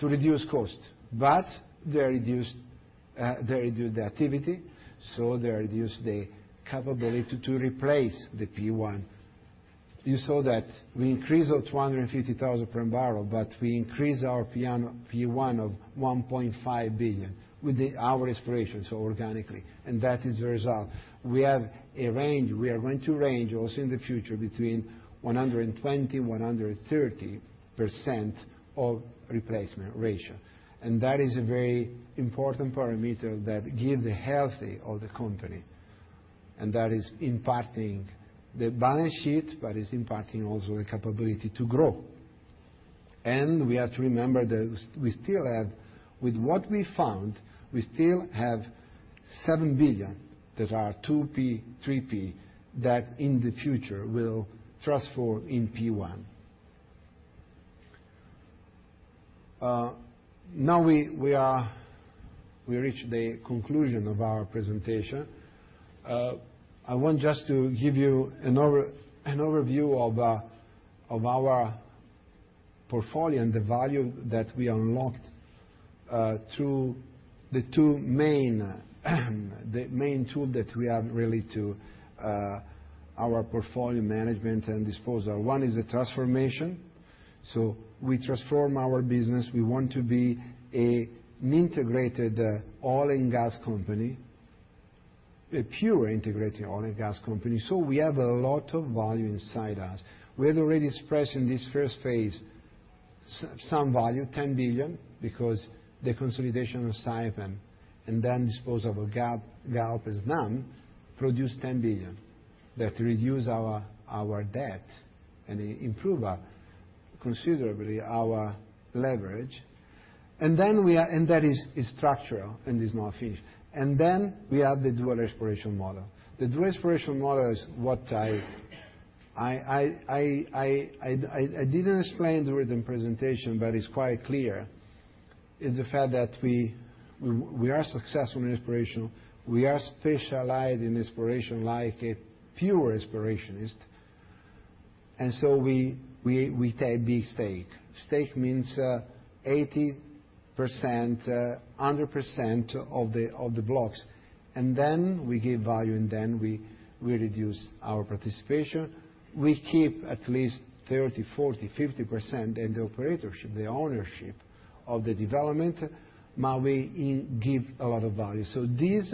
to reduce cost, but they reduced the activity, so they reduced the capability to replace the P1. You saw that we increased our 250,000 per barrel, but we increased our P1 of 1.5 billion with our exploration, so organically, and that is the result. We have a range. We are going to range also in the future between 120%-130% of replacement ratio, and that is a very important parameter that give the health of the company, and that is impacting the balance sheet, but is impacting also the capability to grow. We have to remember that with what we found, we still have seven billion that are 2P, 3P, that in the future will transform in P1. Now we reach the conclusion of our presentation. I want just to give you an overview of our portfolio and the value that we unlocked through the two main tool that we have really to our portfolio management and disposal. One is the transformation. We transform our business. We want to be an integrated oil and gas company, a pure integrated oil and gas company. We have a lot of value inside us. We have already expressed in this first phase some value, 10 billion, because the consolidation of Saipem, and then dispose of a Galp, produce 10 billion. That reduce our debt and improve considerably our leverage. That is structural and is not finished. We have the dual exploration model. The dual exploration model is what I didn't explain during the presentation, but it's quite clear, is the fact that we are successful in exploration. We are specialized in exploration like a pure explorationist, we take big stake. Stake means 80%-100% of the blocks. We give value, we reduce our participation. We keep at least 30%, 40%, 50% in the operatorship, the ownership of the development, but we give a lot of value. This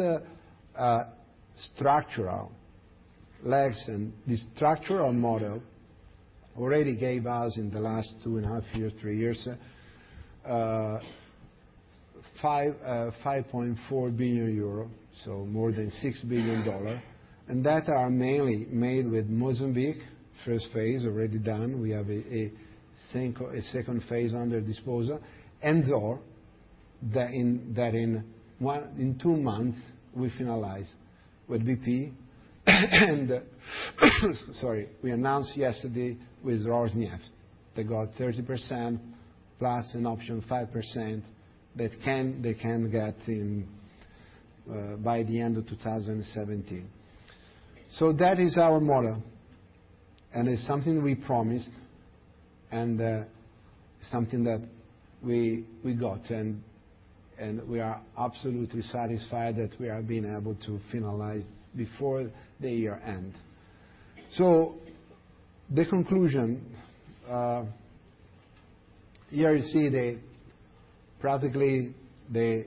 structural model already gave us in the last two and a half years, three years, €5.4 billion, so more than $6 billion. That are mainly made with Mozambique, first phase already done. We have a second phase under disposal. Zohr, that in two months, we finalize with BP, and we announced yesterday with Rosneft. They got 30% plus an option 5% that they can get by the end of 2017. That is our model, and it's something we promised, and something that we got, and we are absolutely satisfied that we have been able to finalize before the year end. The conclusion, here you see practically the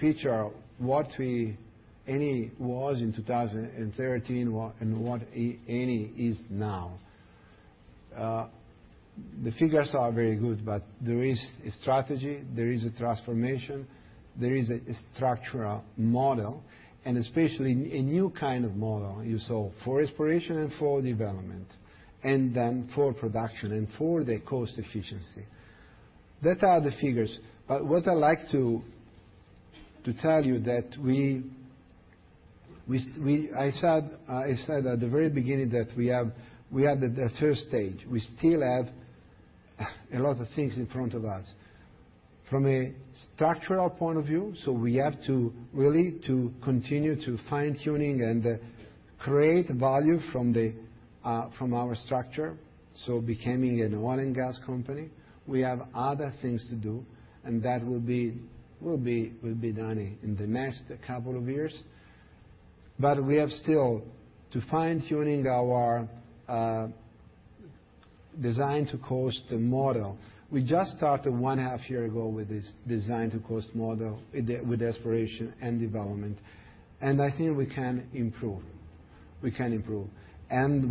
picture of what Eni was in 2013 and what Eni is now. The figures are very good. There is a strategy, there is a transformation, there is a structural model, especially a new kind of model you saw for exploration and for development, then for production and for the cost efficiency. That are the figures. What I like to tell you that I said at the very beginning that we are at the stage 1. We still have a lot of things in front of us. From a structural point of view, we have to really continue to fine-tune and create value from our structure, so becoming an oil and gas company. We have other things to do, that will be done in the next couple of years. We have still to fine-tune our design to cost model. We just started one half year ago with this design to cost model, with exploration and development. I think we can improve. We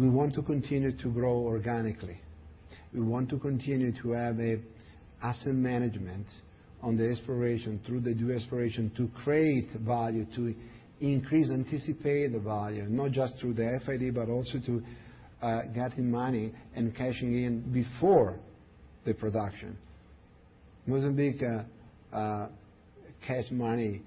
want to continue to grow organically. We want to continue to have asset management on the exploration, through the exploration, to create value, to increase anticipated value, not just through the FID, but also to getting money and cashing in before the production. Mozambique cash money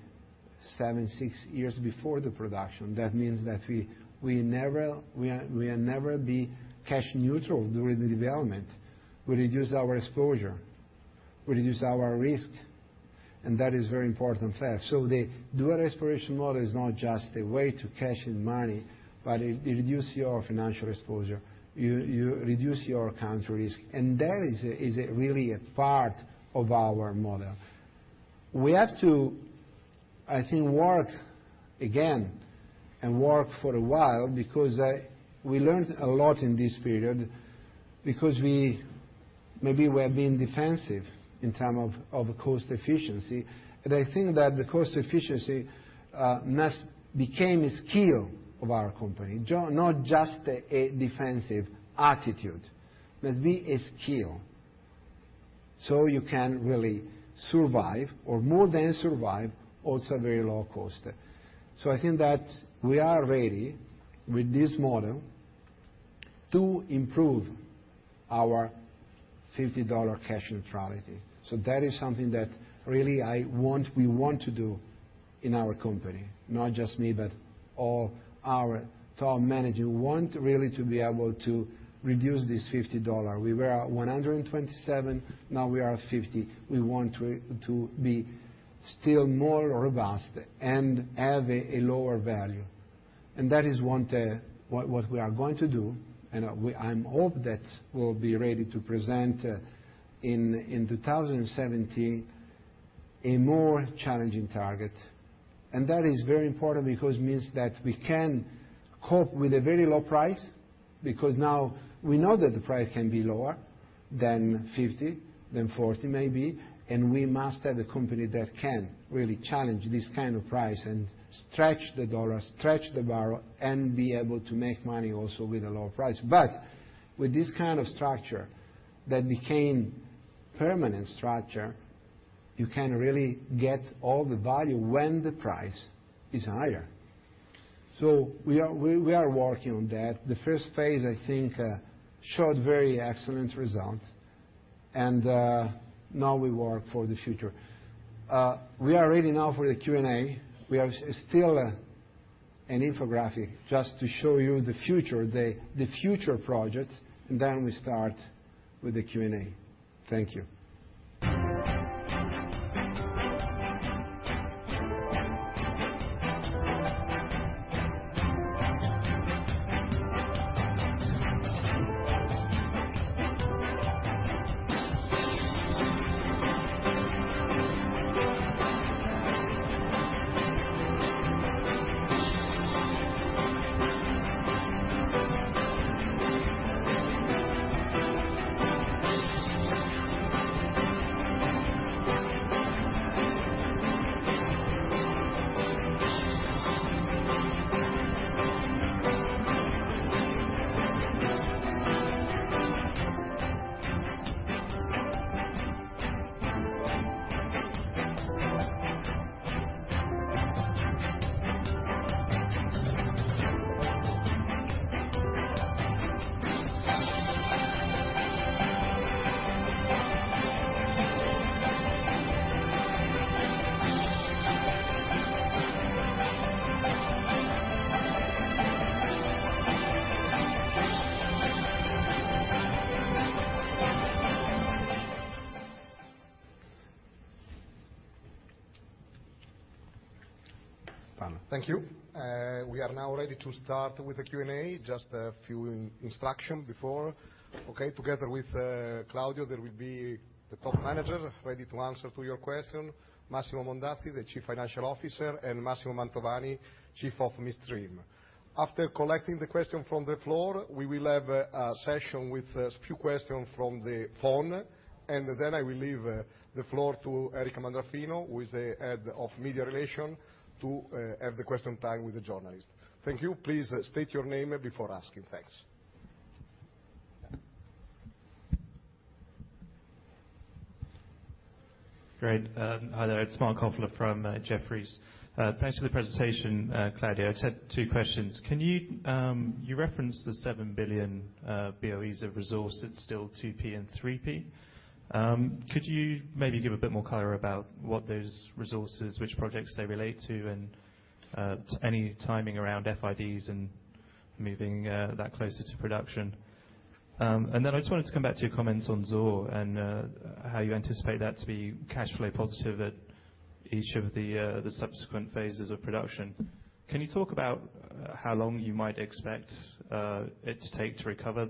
seven, six years before the production. That means that we will never be cash neutral during the development. We reduce our exposure. We reduce our risk. That is a very important fact. The dual exploration model is not just a way to cash in money, but it reduces your financial exposure. You reduce your country risk. That is really a part of our model. We have to, I think, work again, work for a while, because we learned a lot in this period, because maybe we have been defensive in terms of cost efficiency. I think that cost efficiency must become a skill of our company, not just a defensive attitude. It must be a skill, so you can really survive, or more than survive, also very low cost. I think that we are ready with this model to improve our $50 cash neutrality. That is something that really we want to do in our company, not just me, but all our top managers want really to be able to reduce this EUR 50. We were at 127, now we are at 50. We want to be still more robust and have a lower value. That is what we are going to do. I hope that we'll be ready to present in 2017 a more challenging target. That is very important because it means that we can cope with a very low price, because now we know that the price can be lower than 50, than 40 maybe. We must have a company that can really challenge this kind of price and stretch the dollar, stretch the barrel, be able to make money also with a lower price. With this kind of structure that became permanent structure, you can really get all the value when the price is higher. We are working on that. The phase 1, I think, showed very excellent results. Now we work for the future. We are ready now for the Q&A. We have still an infographic just to show you the future projects, then we start with the Q&A. Thank you. Thank you. We are now ready to start with the Q&A. Just a few instructions before. Okay? Together with Claudio, there will be the top manager ready to answer to your question, Massimo Mondazzi, the Chief Financial Officer, and Massimo Mantovani, Chief of Midstream. After collecting the question from the floor, we will have a session with a few questions from the phone, then I will leave the floor to Erika Mandraffino, who is the head of Media Relations, to have the question time with the journalist. Thank you. Please state your name before asking. Thanks. Great. Hi there, it's Mark Offler from Jefferies. Thanks for the presentation, Claudio. I just have two questions. You referenced the 7 billion BOEs of resource that's still 2P and 3P. Could you maybe give a bit more clarity about what those resources, which projects they relate to, and any timing around FIDs and moving that closer to production. I just wanted to come back to your comments on Zohr, and how you anticipate that to be cash flow positive at each of the subsequent phases of production. Can you talk about how long you might expect it to take to recover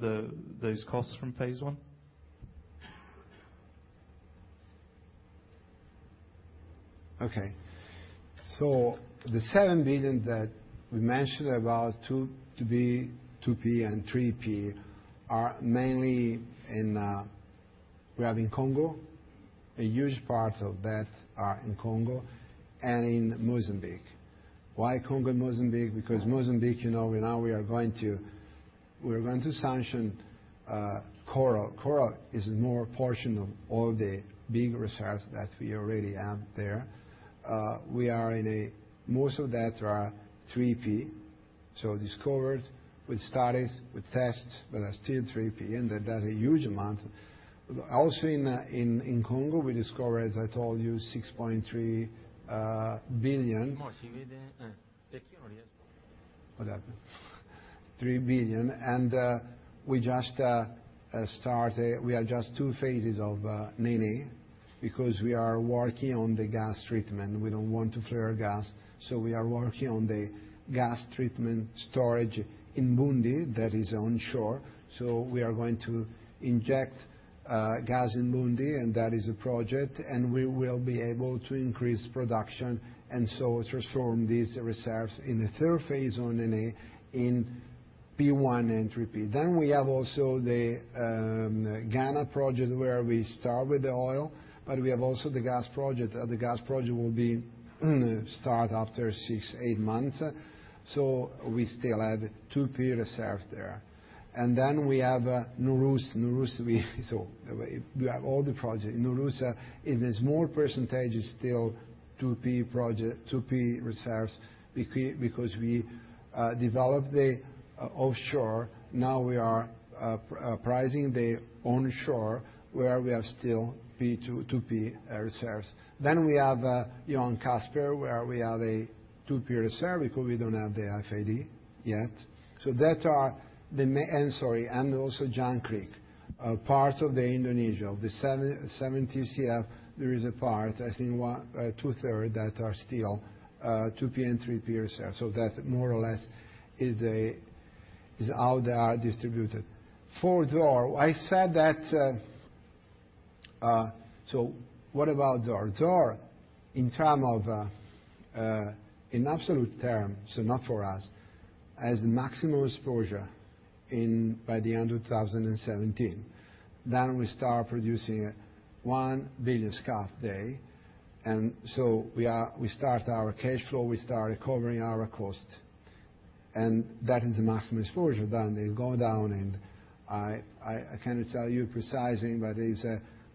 those costs from phase 1? Okay. The 7 billion that we mentioned about 2P and 3P are mainly we have in Congo. A huge part of that are in Congo and in Mozambique. Why Congo and Mozambique? Because Mozambique, now we are going to sanction Coral. Coral is more portion of all the big reserves that we already have there. Most of that are 3P, so discovered, we studied, we test, but are still 3P, and that's a huge amount. Also in Congo, we discovered, as I told you, 6.3 billion. What happened? 3 billion, and we are just 2 phases of Nené because we are working on the gas treatment. We don't want to flare gas, so we are working on the gas treatment storage in M'Boundi, that is onshore. So we are going to inject gas in M'Boundi, and that is a project, and we will be able to increase production. Transform these reserves in the third phase on Nené in P1 and 3P. We have also the Ghana project where we start with the oil, but we have also the gas project. The gas project will be start after six, eight months. We still have 2P reserve there. We have Nooros. Nooros, we have all the project. Nooros, it is more percentage is still 2P reserves because we developed the offshore. Now we are appraising the onshore, where we have still 2P reserves. We have Johan Castberg, where we have a 2P reserve because we don't have the FID yet. Also Jangkrik. Parts of the Indonesia, of the 70 TCF, there is a part, I think two third, that are still 2P and 3P reserve. That more or less is how they are distributed. For Zohr, what about Zohr? Zohr, in absolute terms, not for us, has maximum exposure by the end of 2017. We start producing 1 billion standard cubic feet per day. We start our cash flow, we start recovering our cost, and that is the maximum exposure. They go down, I cannot tell you precisely, but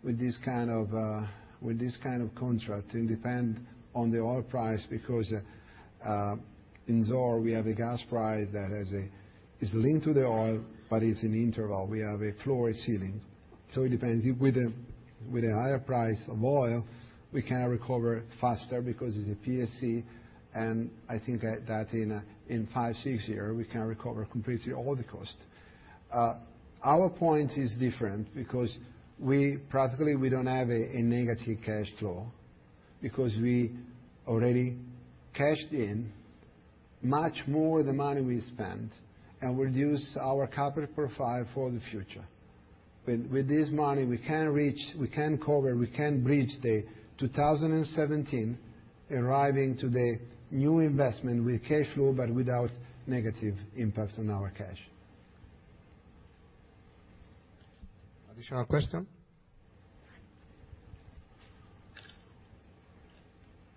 with this kind of contract, it depend on the oil price because in Zohr we have a gas price that is linked to the oil, but it's an interval. We have a floor and ceiling. It depends. With a higher price of oil, we can recover faster because it's a PSC, and I think that in five, six year, we can recover completely all the cost. Our point is different because practically, we don't have a negative cash flow because we already cashed in much more the money we spent and reduce our capital profile for the future. With this money, we can reach, we can cover, we can bridge the 2017 arriving to the new investment with cash flow but without negative impact on our cash. Additional question?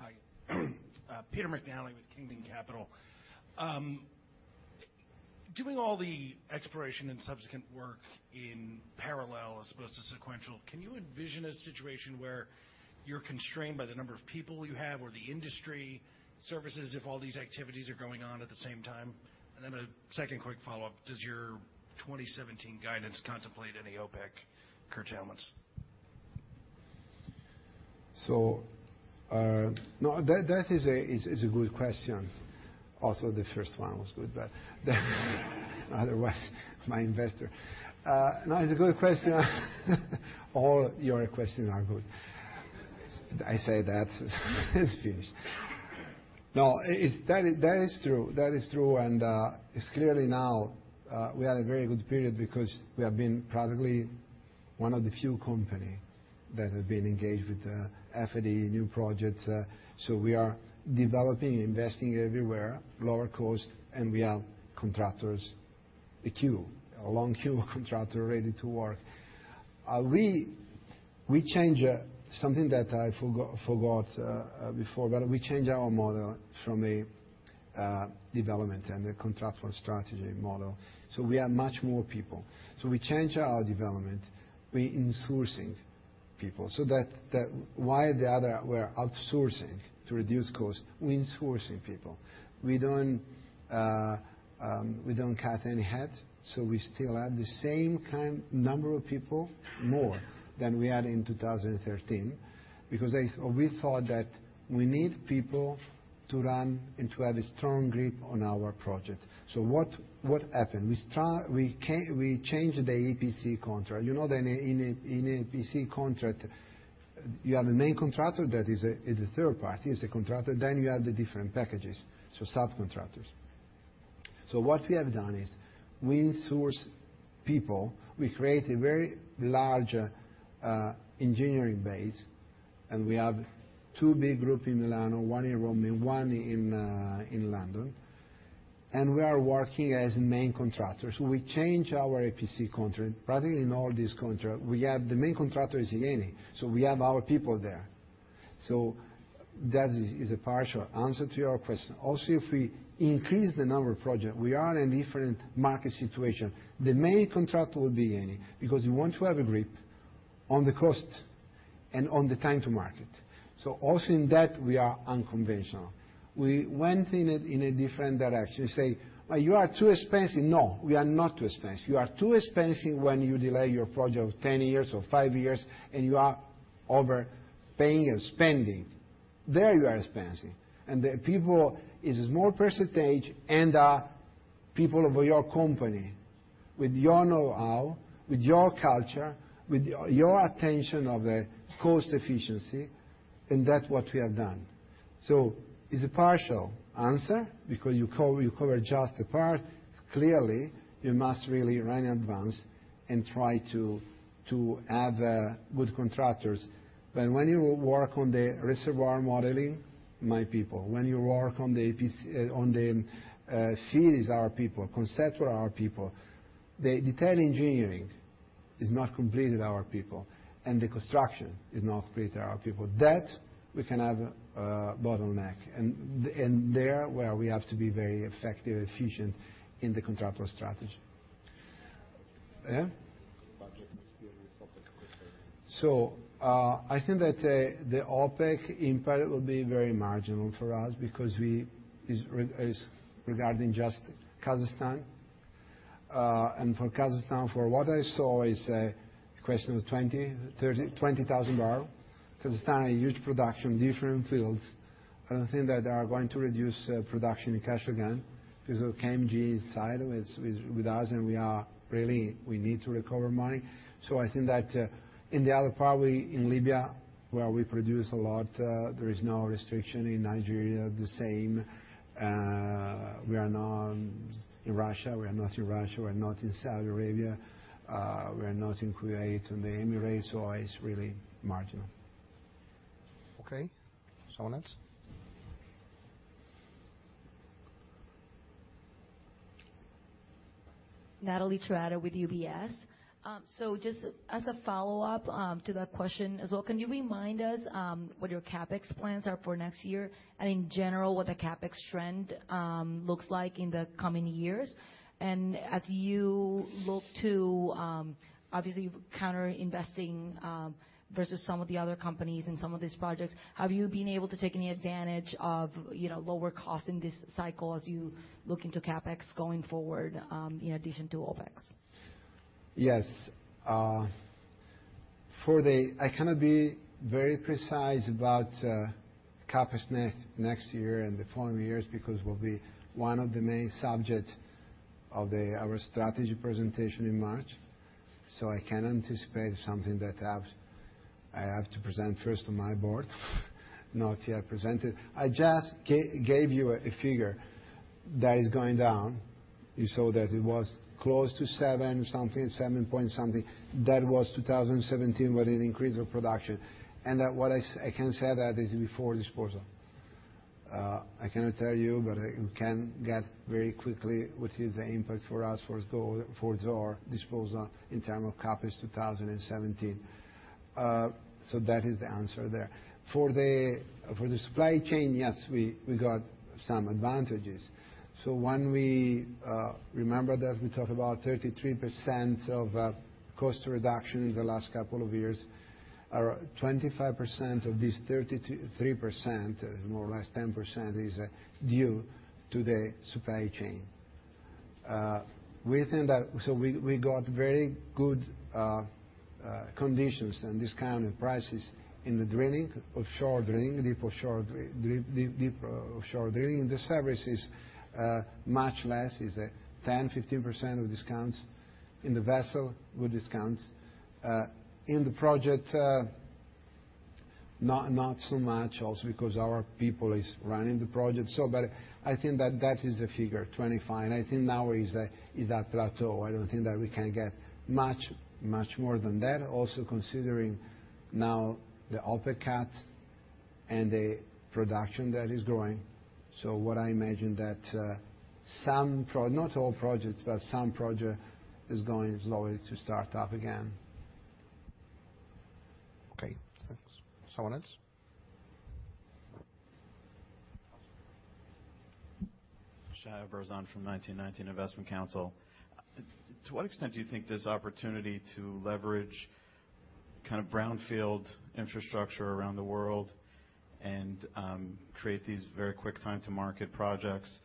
Hi. Peter McNally with Kingdon Capital. Doing all the exploration and subsequent work in parallel as opposed to sequential, can you envision a situation where you're constrained by the number of people you have or the industry services if all these activities are going on at the same time? Then a second quick follow-up, does your 2017 guidance contemplate any OPEC curtailments? That is a good question. Also the first one was good, but otherwise my investor. It's a good question. All your questions are good. I say that, it's finished. That is true. That is true, and it's clearly now, we had a very good period because we have been practically one of the few company that has been engaged with FID, new projects. We are developing, investing everywhere, lower cost, and we have contractors, a queue, a long queue of contractor ready to work. We change something that I forgot before, but we change our model from a development and a contractual strategy model. We have much more people. We change our development. We insourcing people. That while the other were outsourcing to reduce cost, we insourcing people. We don't cut any head. We still have the same kind number of people, more than we had in 2013, because we thought that we need people to run and to have a strong grip on our project. What happened? We changed the EPC contract. You know that in EPC contract, you have the main contractor that is a third party, is a contractor, then you have the different packages, so subcontractors. What we have done is, we source people, we create a very large engineering base, and we have two big group in Milano, one in Rome and one in London, and we are working as main contractors. We change our EPC contract. Probably in all these contract, the main contractor is Eni. We have our people there. That is a partial answer to your question. Also, if we increase the number of project, we are in different market situation. The main contractor will be Eni, because we want to have a grip on the cost and on the time to market. Also in that, we are unconventional. We went in a different direction, say, "You are too expensive." We are not too expensive. You are too expensive when you delay your project of 10 years or 5 years, and you are over-paying and spending. There you are expensive. The people is more percentage and are people of your company, with your know-how, with your culture, with your attention of the cost efficiency, and that what we have done. It's a partial answer because you cover just a part. Clearly, you must really run advance and try to have good contractors. When you work on the reservoir modeling, my people. When you work on the EPC, on the fields, our people, conceptual, our people. The detailed engineering is not completely our people, and the construction is not completely our people. That we can have a bottleneck, and there where we have to be very effective, efficient in the contractor strategy. Yeah. Budget and the topic of OPEC. I think that the OPEC impact will be very marginal for us because it's regarding just Kazakhstan. For Kazakhstan, for what I saw is a question of 20,000 barrels. Kazakhstan a huge production, different fields. I don't think that they are going to reduce production in Kazakhstan, because KMG is tied with us, and we are really, we need to recover money. I think that in the other part, in Libya, where we produce a lot, there is no restriction. In Nigeria, the same. In Russia, we are not in Russia. We're not in Saudi Arabia. We're not in Kuwait and the Emirates, it's really marginal. Okay. Someone else? Natalie Trata with UBS. Just as a follow-up to that question as well, can you remind us what your CapEx plans are for next year, and in general, what the CapEx trend looks like in the coming years? As you look to, obviously, counter investing versus some of the other companies in some of these projects, have you been able to take any advantage of lower cost in this cycle as you look into CapEx going forward, in addition to OpEx? Yes. I cannot be very precise about CapEx next year and the following years because will be one of the main subject of our strategy presentation in March. I can't anticipate something that I have to present first to my board, not yet presented. I just gave you a figure that is going down. You saw that it was close to seven something, seven point something. That was 2017 with an increase of production. That what I can say that is before disposal. I cannot tell you, but you can get very quickly what is the impact for us for Zohr disposal in term of CapEx 2017. That is the answer there. For the supply chain, yes, we got some advantages. When we remember that we talk about 33% of cost reduction in the last couple of years, or 25% of this 33%, more or less 10%, is due to the supply chain. We got very good conditions and discounted prices in the drilling, offshore drilling, deep offshore drilling, the service is much less, is 10%-15% of discounts. In the vessel, good discounts. In the project, not so much, also because our people is running the project. I think that that is the figure, 25, and I think now is that plateau. I don't think that we can get much more than that. Also considering now the OPEC cut and the production that is growing. What I imagine that not all projects, but some project is going slowly to start up again. Okay, thanks. Someone else? Shaya Berzon from 1919 Investment Counsel. To what extent do you think this opportunity to leverage kind of brownfield infrastructure around the world and create these very quick time to market projects?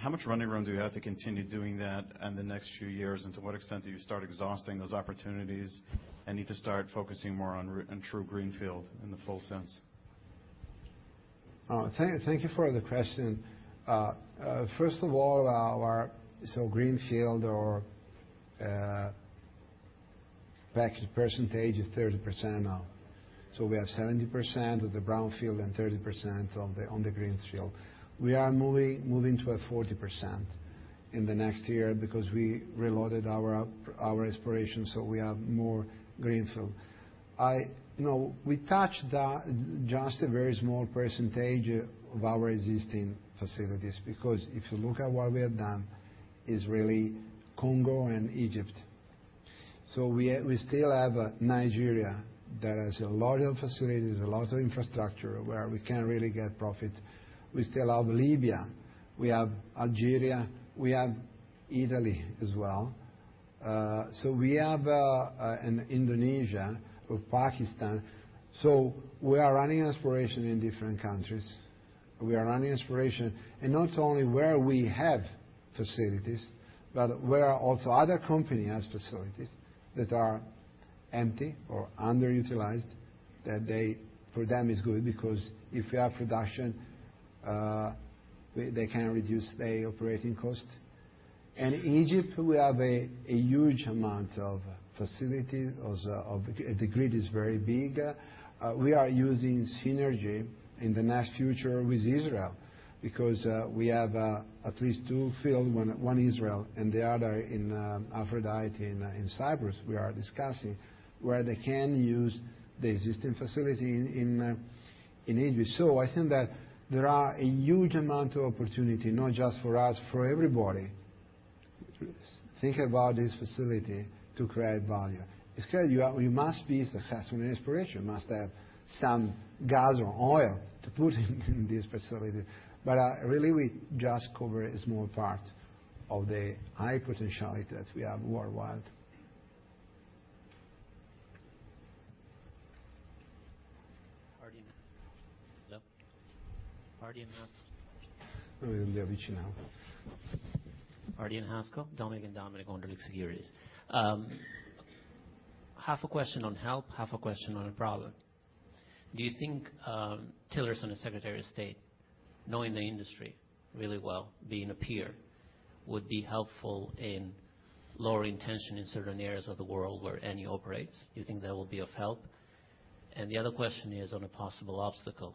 How much running room do you have to continue doing that in the next few years? To what extent do you start exhausting those opportunities and need to start focusing more on true greenfield in the full sense? Thank you for the question. First of all, our greenfield or back percentage is 30% now. We have 70% of the brownfield and 30% on the greenfield. We are moving to a 40% in the next year because we reloaded our exploration, we have more greenfield. We touched just a very small percentage of our existing facilities because if you look at what we have done, it's really Congo and Egypt. We still have Nigeria. There is a lot of facilities, a lot of infrastructure where we can't really get profit. We still have Libya, we have Algeria, we have Italy as well. We have Indonesia or Pakistan. We are running exploration in different countries. We are running exploration in not only where we have facilities, but where also other company has facilities that are empty or underutilized, that for them is good because if we have production, they can reduce their operating cost. Egypt, we have a huge amount of facility. The grid is very big. We are using synergy in the near future with Israel because we have at least two fields, one Israel and the other in Aphrodite in Cyprus. We are discussing where they can use the existing facility in Egypt. I think that there are a huge amount of opportunity, not just for us, for everybody. Think about this facility to create value. You must be successful in exploration. You must have some gas or oil to put in this facility. Really we just cover a small part of the high potential that we have worldwide. Hardin. Hello? Hardin. Yeah, reach now. Hardin Haskell, Dominic Onderdrix, here it is. Half a question on help, half a question on a problem. Do you think Tillerson as Secretary of State, knowing the industry really well, being a peer, would be helpful in lowering tension in certain areas of the world where Eni operates? You think that will be of help? The other question is on a possible obstacle.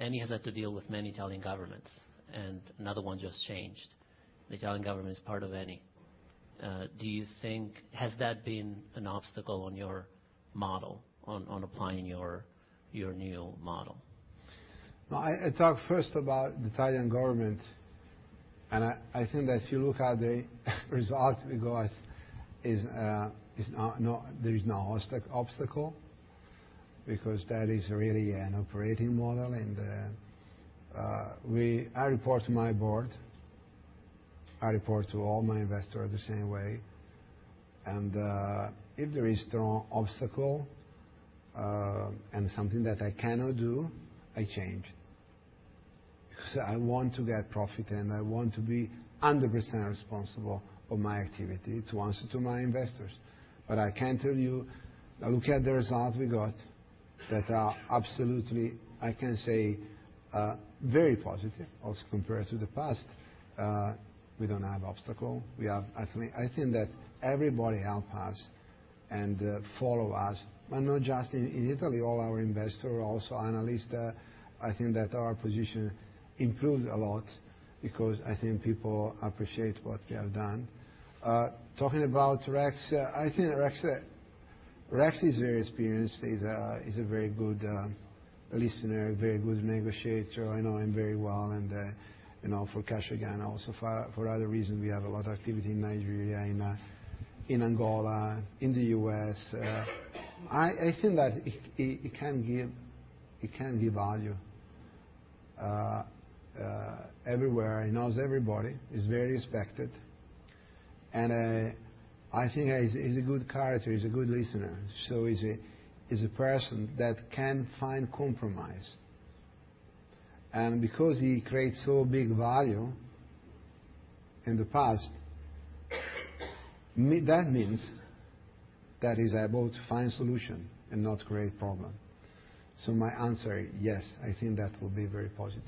Eni has had to deal with many Italian governments, and another one just changed. The Italian government is part of Eni. Has that been an obstacle on your model, on applying your new model? I talk first about the Italian government, I think that if you look at the result we got, there is no obstacle because that is really an operating model. I report to my board. I report to all my investors the same way. If there is strong obstacle, and something that I cannot do, I change. I want to get profit and I want to be 100% responsible for my activity, to answer to my investors. I can tell you, I look at the result we got, that are absolutely, I can say, very positive as compared to the past. We don't have obstacle. I think that everybody help us and follow us, and not just in Italy. All our investors, also analysts, I think that our position improved a lot because I think people appreciate what we have done. Talking about Rex, I think Rex is very experienced. He's a very good listener, very good negotiator. I know him very well, and for Kashagan also, for other reasons, we have a lot of activity in Nigeria, in Angola, in the U.S. I think that he can give value everywhere. He knows everybody. He's very respected. I think he's a good character. He's a good listener. He's a person that can find compromise. Because he creates so big value in the past, that means that he's able to find solution and not create problem. My answer, yes, I think that will be very positive.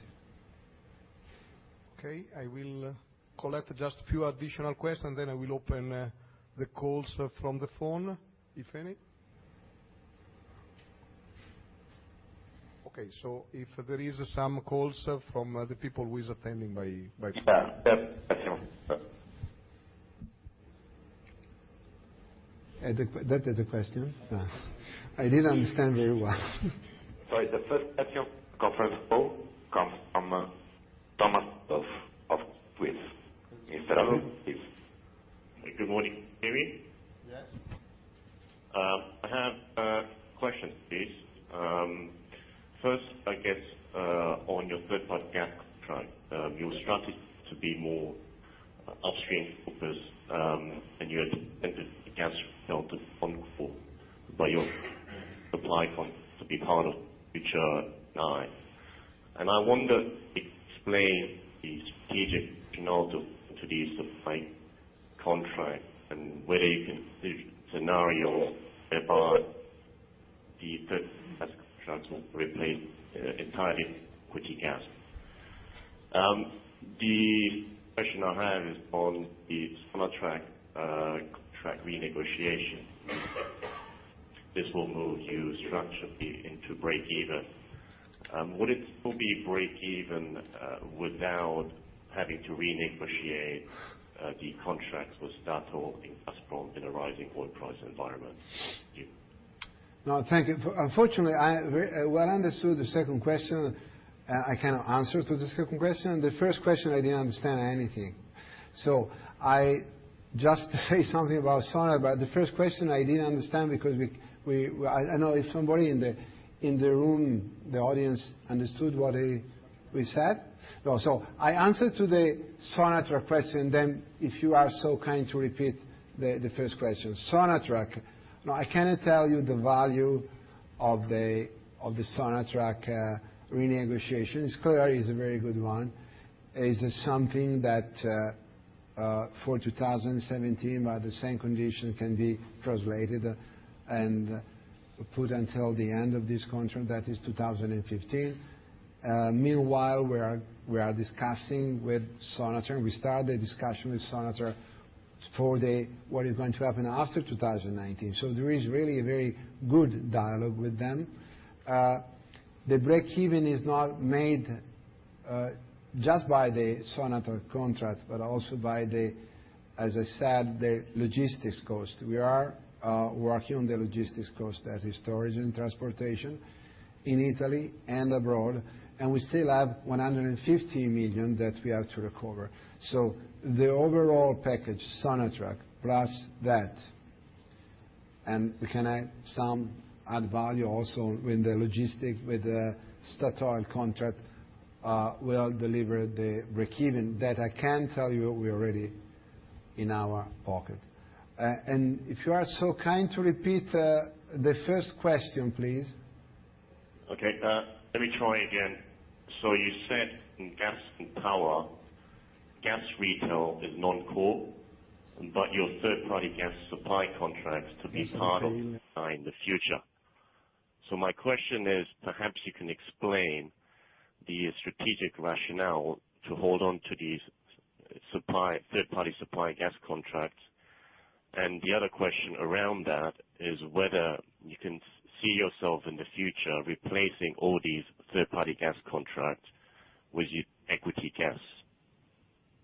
Okay, I will collect just few additional questions, then I will open the calls from the phone, if any. Okay, if there is some calls from the people who is attending by phone. Yeah. That is the question? I didn't understand very well. Sorry, the first question conference call comes from Thomas of Swiss. Mr. Ravu, please. Good morning. Can you hear me? Yes. I have a question, please. First, I guess, on your third-party gas trade, your strategy to be more Upstream focus, you intended gas to be part of future Eni. I wonder, explain the strategic rationale to these supply contracts, and whether you can see scenarios whereby the third-party replaced entirely equity gas. The question I have is on the Sonatrach contract renegotiation. This will move you structurally into break-even. Would it still be break-even without having to renegotiate the contracts with Statoil and Gazprom in a rising oil price environment? Thank you. No, thank you. Unfortunately, well understood the second question. I cannot answer the second question. The first question, I didn't understand anything. I just say something about Sonatrach, but the first question I didn't understand because I don't know if somebody in the room, the audience, understood what he said. I answer the Sonatrach question then if you are so kind to repeat the first question. Sonatrach, no, I cannot tell you the value of the Sonatrach renegotiation. It is clear it is a very good one. It is something that for 2017, by the same condition, can be translated and put until the end of this contract, that is 2015. Meanwhile, we are discussing with Sonatrach. We start the discussion with Sonatrach for what is going to happen after 2019. There is really a very good dialogue with them. The break-even is not made just by the Sonatrach contract, but also by, as I said, the logistics cost. We are working on the logistics cost, that is storage and transportation in Italy and abroad. We still have 150 million that we have to recover. The overall package, Sonatrach plus that, and we can add some add value also with the logistic, with the Statoil contract, will deliver the break-even. That I can tell you already in our pocket. If you are so kind to repeat the first question, please. Okay. Let me try again. You said in gas and power, gas retail is non-core, but your third-party gas supply contracts to be part of Eni in the future. My question is, perhaps you can explain the strategic rationale to hold on to these third-party supply gas contracts, and the other question around that is whether you can see yourself in the future replacing all these third-party gas contract with equity gas.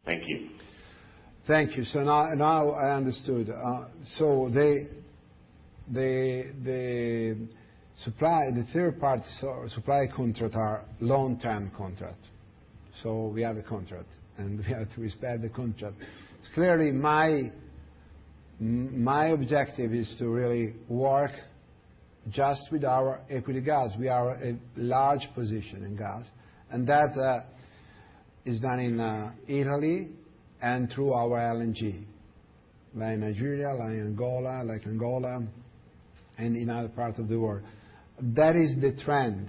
Thank you. Thank you. Now I understood. The third-party supply contract are long-term contract. We have a contract, and we have to respect the contract. Clearly, my objective is to really work just with our equity gas. We are a large position in gas, and that is done in Italy and through our LNG, like Nigeria, like Angola, and in other parts of the world. That is the trend,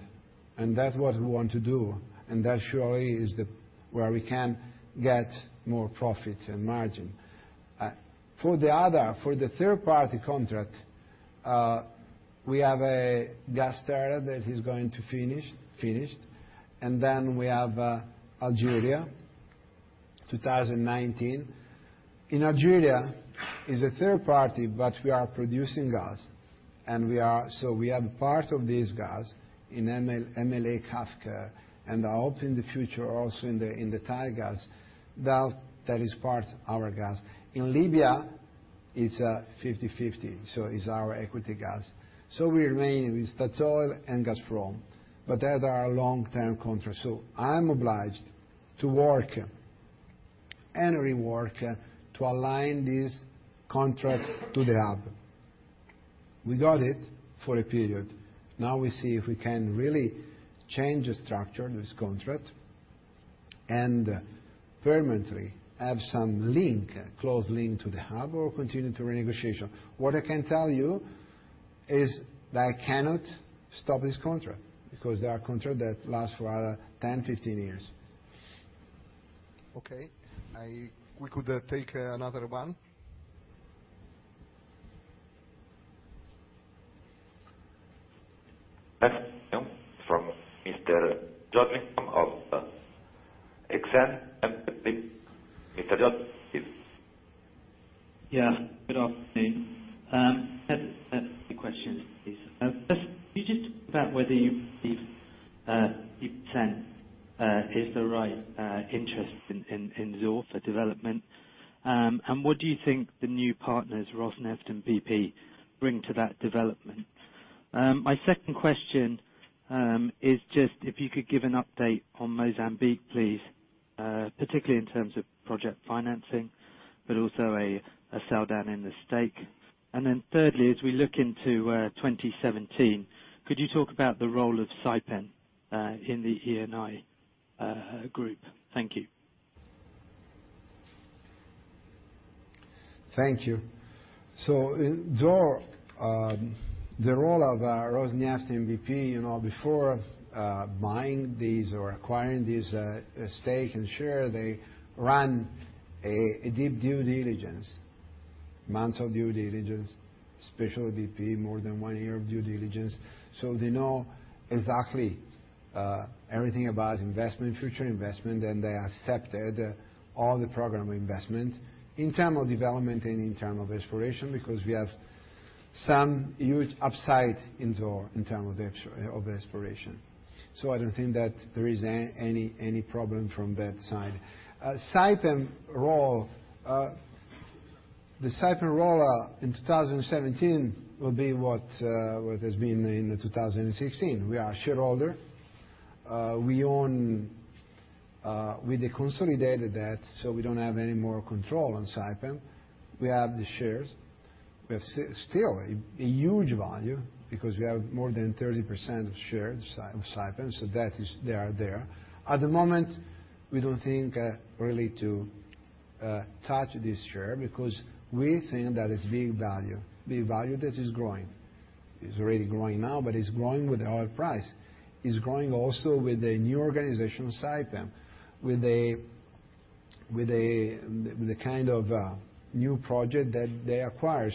and that's what we want to do, and that surely is where we can get more profits and margin. For the other, for the third-party contract, we have GasTerra that is going to finish. We have Algeria, 2019. In Algeria is a third party, but we are producing gas, and so we have part of this gas in MLA, Kafka, and I hope in the future also in the TIGAS, that is part our gas. In Libya, it's 50/50, it's our equity gas. We remain with Statoil and Gazprom, but that are long-term contracts. I'm obliged to work and rework to align this contract to the hub. We got it for a period. Now we see if we can really change the structure of this contract, and permanently have some link, close link to the hub, or continue to renegotiation. What I can tell you is that I cannot stop this contract because they are contract that last for other 10, 15 years. Okay. We could take another one. From Mr. Jordan of Exane. Mr. Jordan, please. Yeah, good afternoon. 2 questions, please. First, could you talk about whether you think is the right interest in Zohr for development, and what do you think the new partners, Rosneft and BP, bring to that development? My second question is just if you could give an update on Mozambique, please, particularly in terms of project financing, but also a sell down in the stake. Thirdly, as we look into 2017, could you talk about the role of Saipem in the Eni group? Thank you. Thank you. Zohr, the role of Rosneft and BP, before buying these or acquiring this stake and share, they ran a deep due diligence, months of due diligence, especially BP, more than one year of due diligence. They know exactly everything about investment, future investment, and they accepted all the program investment in term of development and in term of exploration, because we have some huge upside in Zohr in term of exploration. I don't think that there is any problem from that side. Saipem role. The Saipem role in 2017 will be what has been in 2016. We are a shareholder. With the consolidated debt, so we don't have any more control on Saipem. We have the shares. We have still a huge value because we have more than 30% of shares of Saipem, they are there. At the moment, we don't think really to touch this share because we think that it's big value, big value that is growing. Is already growing now, but it's growing with the oil price. Is growing also with the new organization of Saipem, with the kind of new project that they acquire.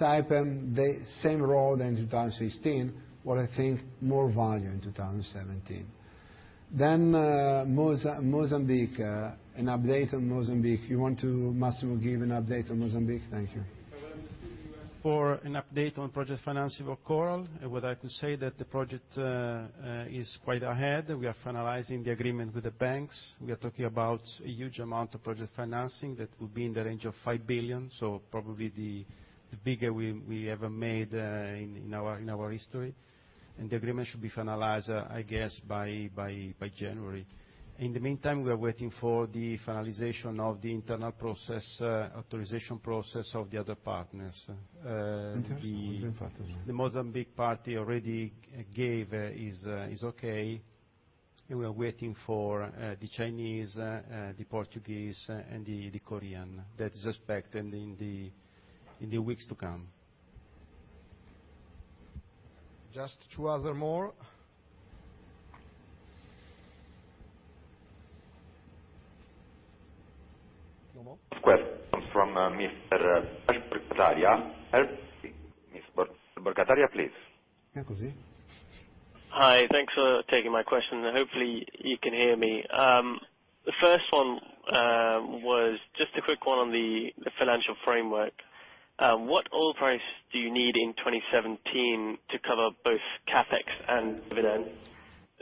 Saipem, the same role than 2016, what I think more value in 2017. Mozambique, an update on Mozambique. You want to, Massimo, give an update on Mozambique? Thank you. For an update on project financing for Coral, what I could say that the project is quite ahead. We are finalizing the agreement with the banks. We are talking about a huge amount of project financing that will be in the range of 5 billion, probably the biggest we ever made in our history. The agreement should be finalized, I guess, by January. In the meantime, we are waiting for the finalization of the internal process, authorization process of the other partners. Interesting. The Mozambique party already gave his okay, and we are waiting for the Chinese, the Portuguese, and the Korean. That is expected in the weeks to come. Just two other more. No more? Next question comes from Mr. Ash Borgataria. Ash Borgataria, please. Yeah, go ahead. Hi, thanks for taking my question, and hopefully you can hear me. The first one was just a quick one on the financial framework. What oil price do you need in 2017 to cover both CapEx and dividends?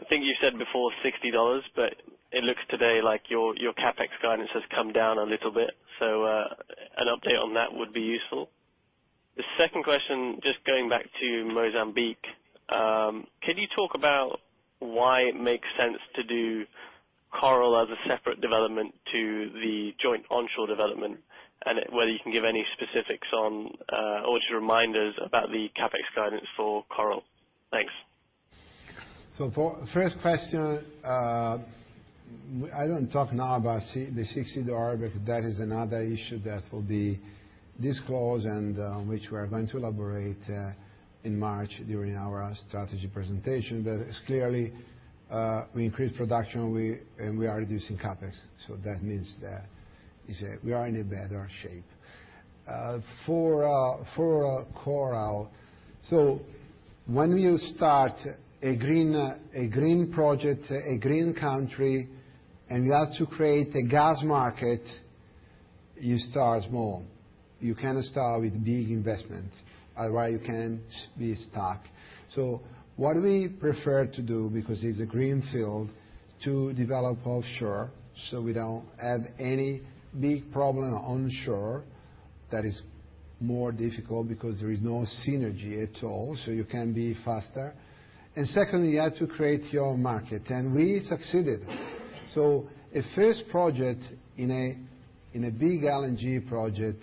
I think you said before $60, but it looks today like your CapEx guidance has come down a little bit. An update on that would be useful. The second question, just going back to Mozambique, can you talk about why it makes sense to do Coral as a separate development to the joint onshore development? Whether you can give any specifics on, or just remind us about the CapEx guidance for Coral. Thanks. For first question, I don't talk now about the $60 because that is another issue that will be disclosed and which we are going to elaborate in March during our strategy presentation. It's clearly, we increase production, and we are reducing CapEx, that means that we are in a better shape. For Coral, when you start a green project, a green country, and you have to create a gas market, you start small. You cannot start with big investment. Otherwise, you can be stuck. What we prefer to do, because it's a green field, to develop offshore, we don't have any big problem onshore. That is more difficult because there is no synergy at all, so you can't be faster. Secondly, you have to create your market, and we succeeded. A first project in a big LNG project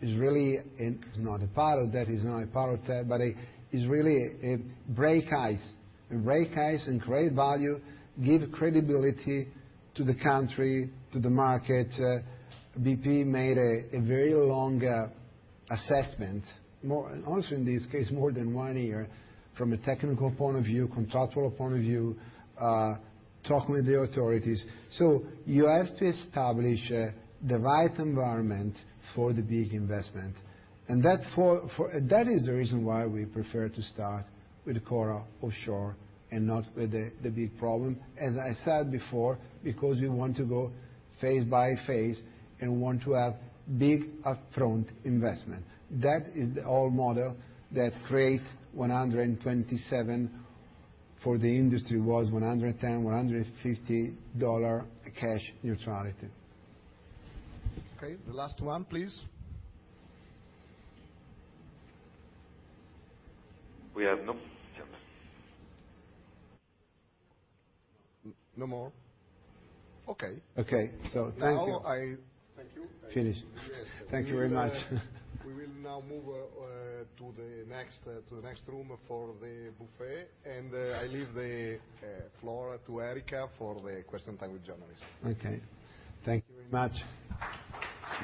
is really, it's not a pilot, that is not a pilot, but it is really a break ice. We break ice and create value, give credibility to the country, to the market. BP made a very long assessment, honestly, in this case, more than one year, from a technical point of view, contractual point of view, talk with the authorities. You have to establish the right environment for the big investment. That is the reason why we prefer to start with Coral offshore and not with the big problem, as I said before, because you want to go phase by phase, and we want to have big upfront investment. That is the old model that create 127 for the industry was $110, $150 cash neutrality. Okay, the last one, please. We have no more. No more? Okay. Okay, thank you. Now I thank you. Finished. Thank you very much. We will now move to the next room for the buffet. I leave the floor to Erika for the question time with journalists. Okay. Thank you very much.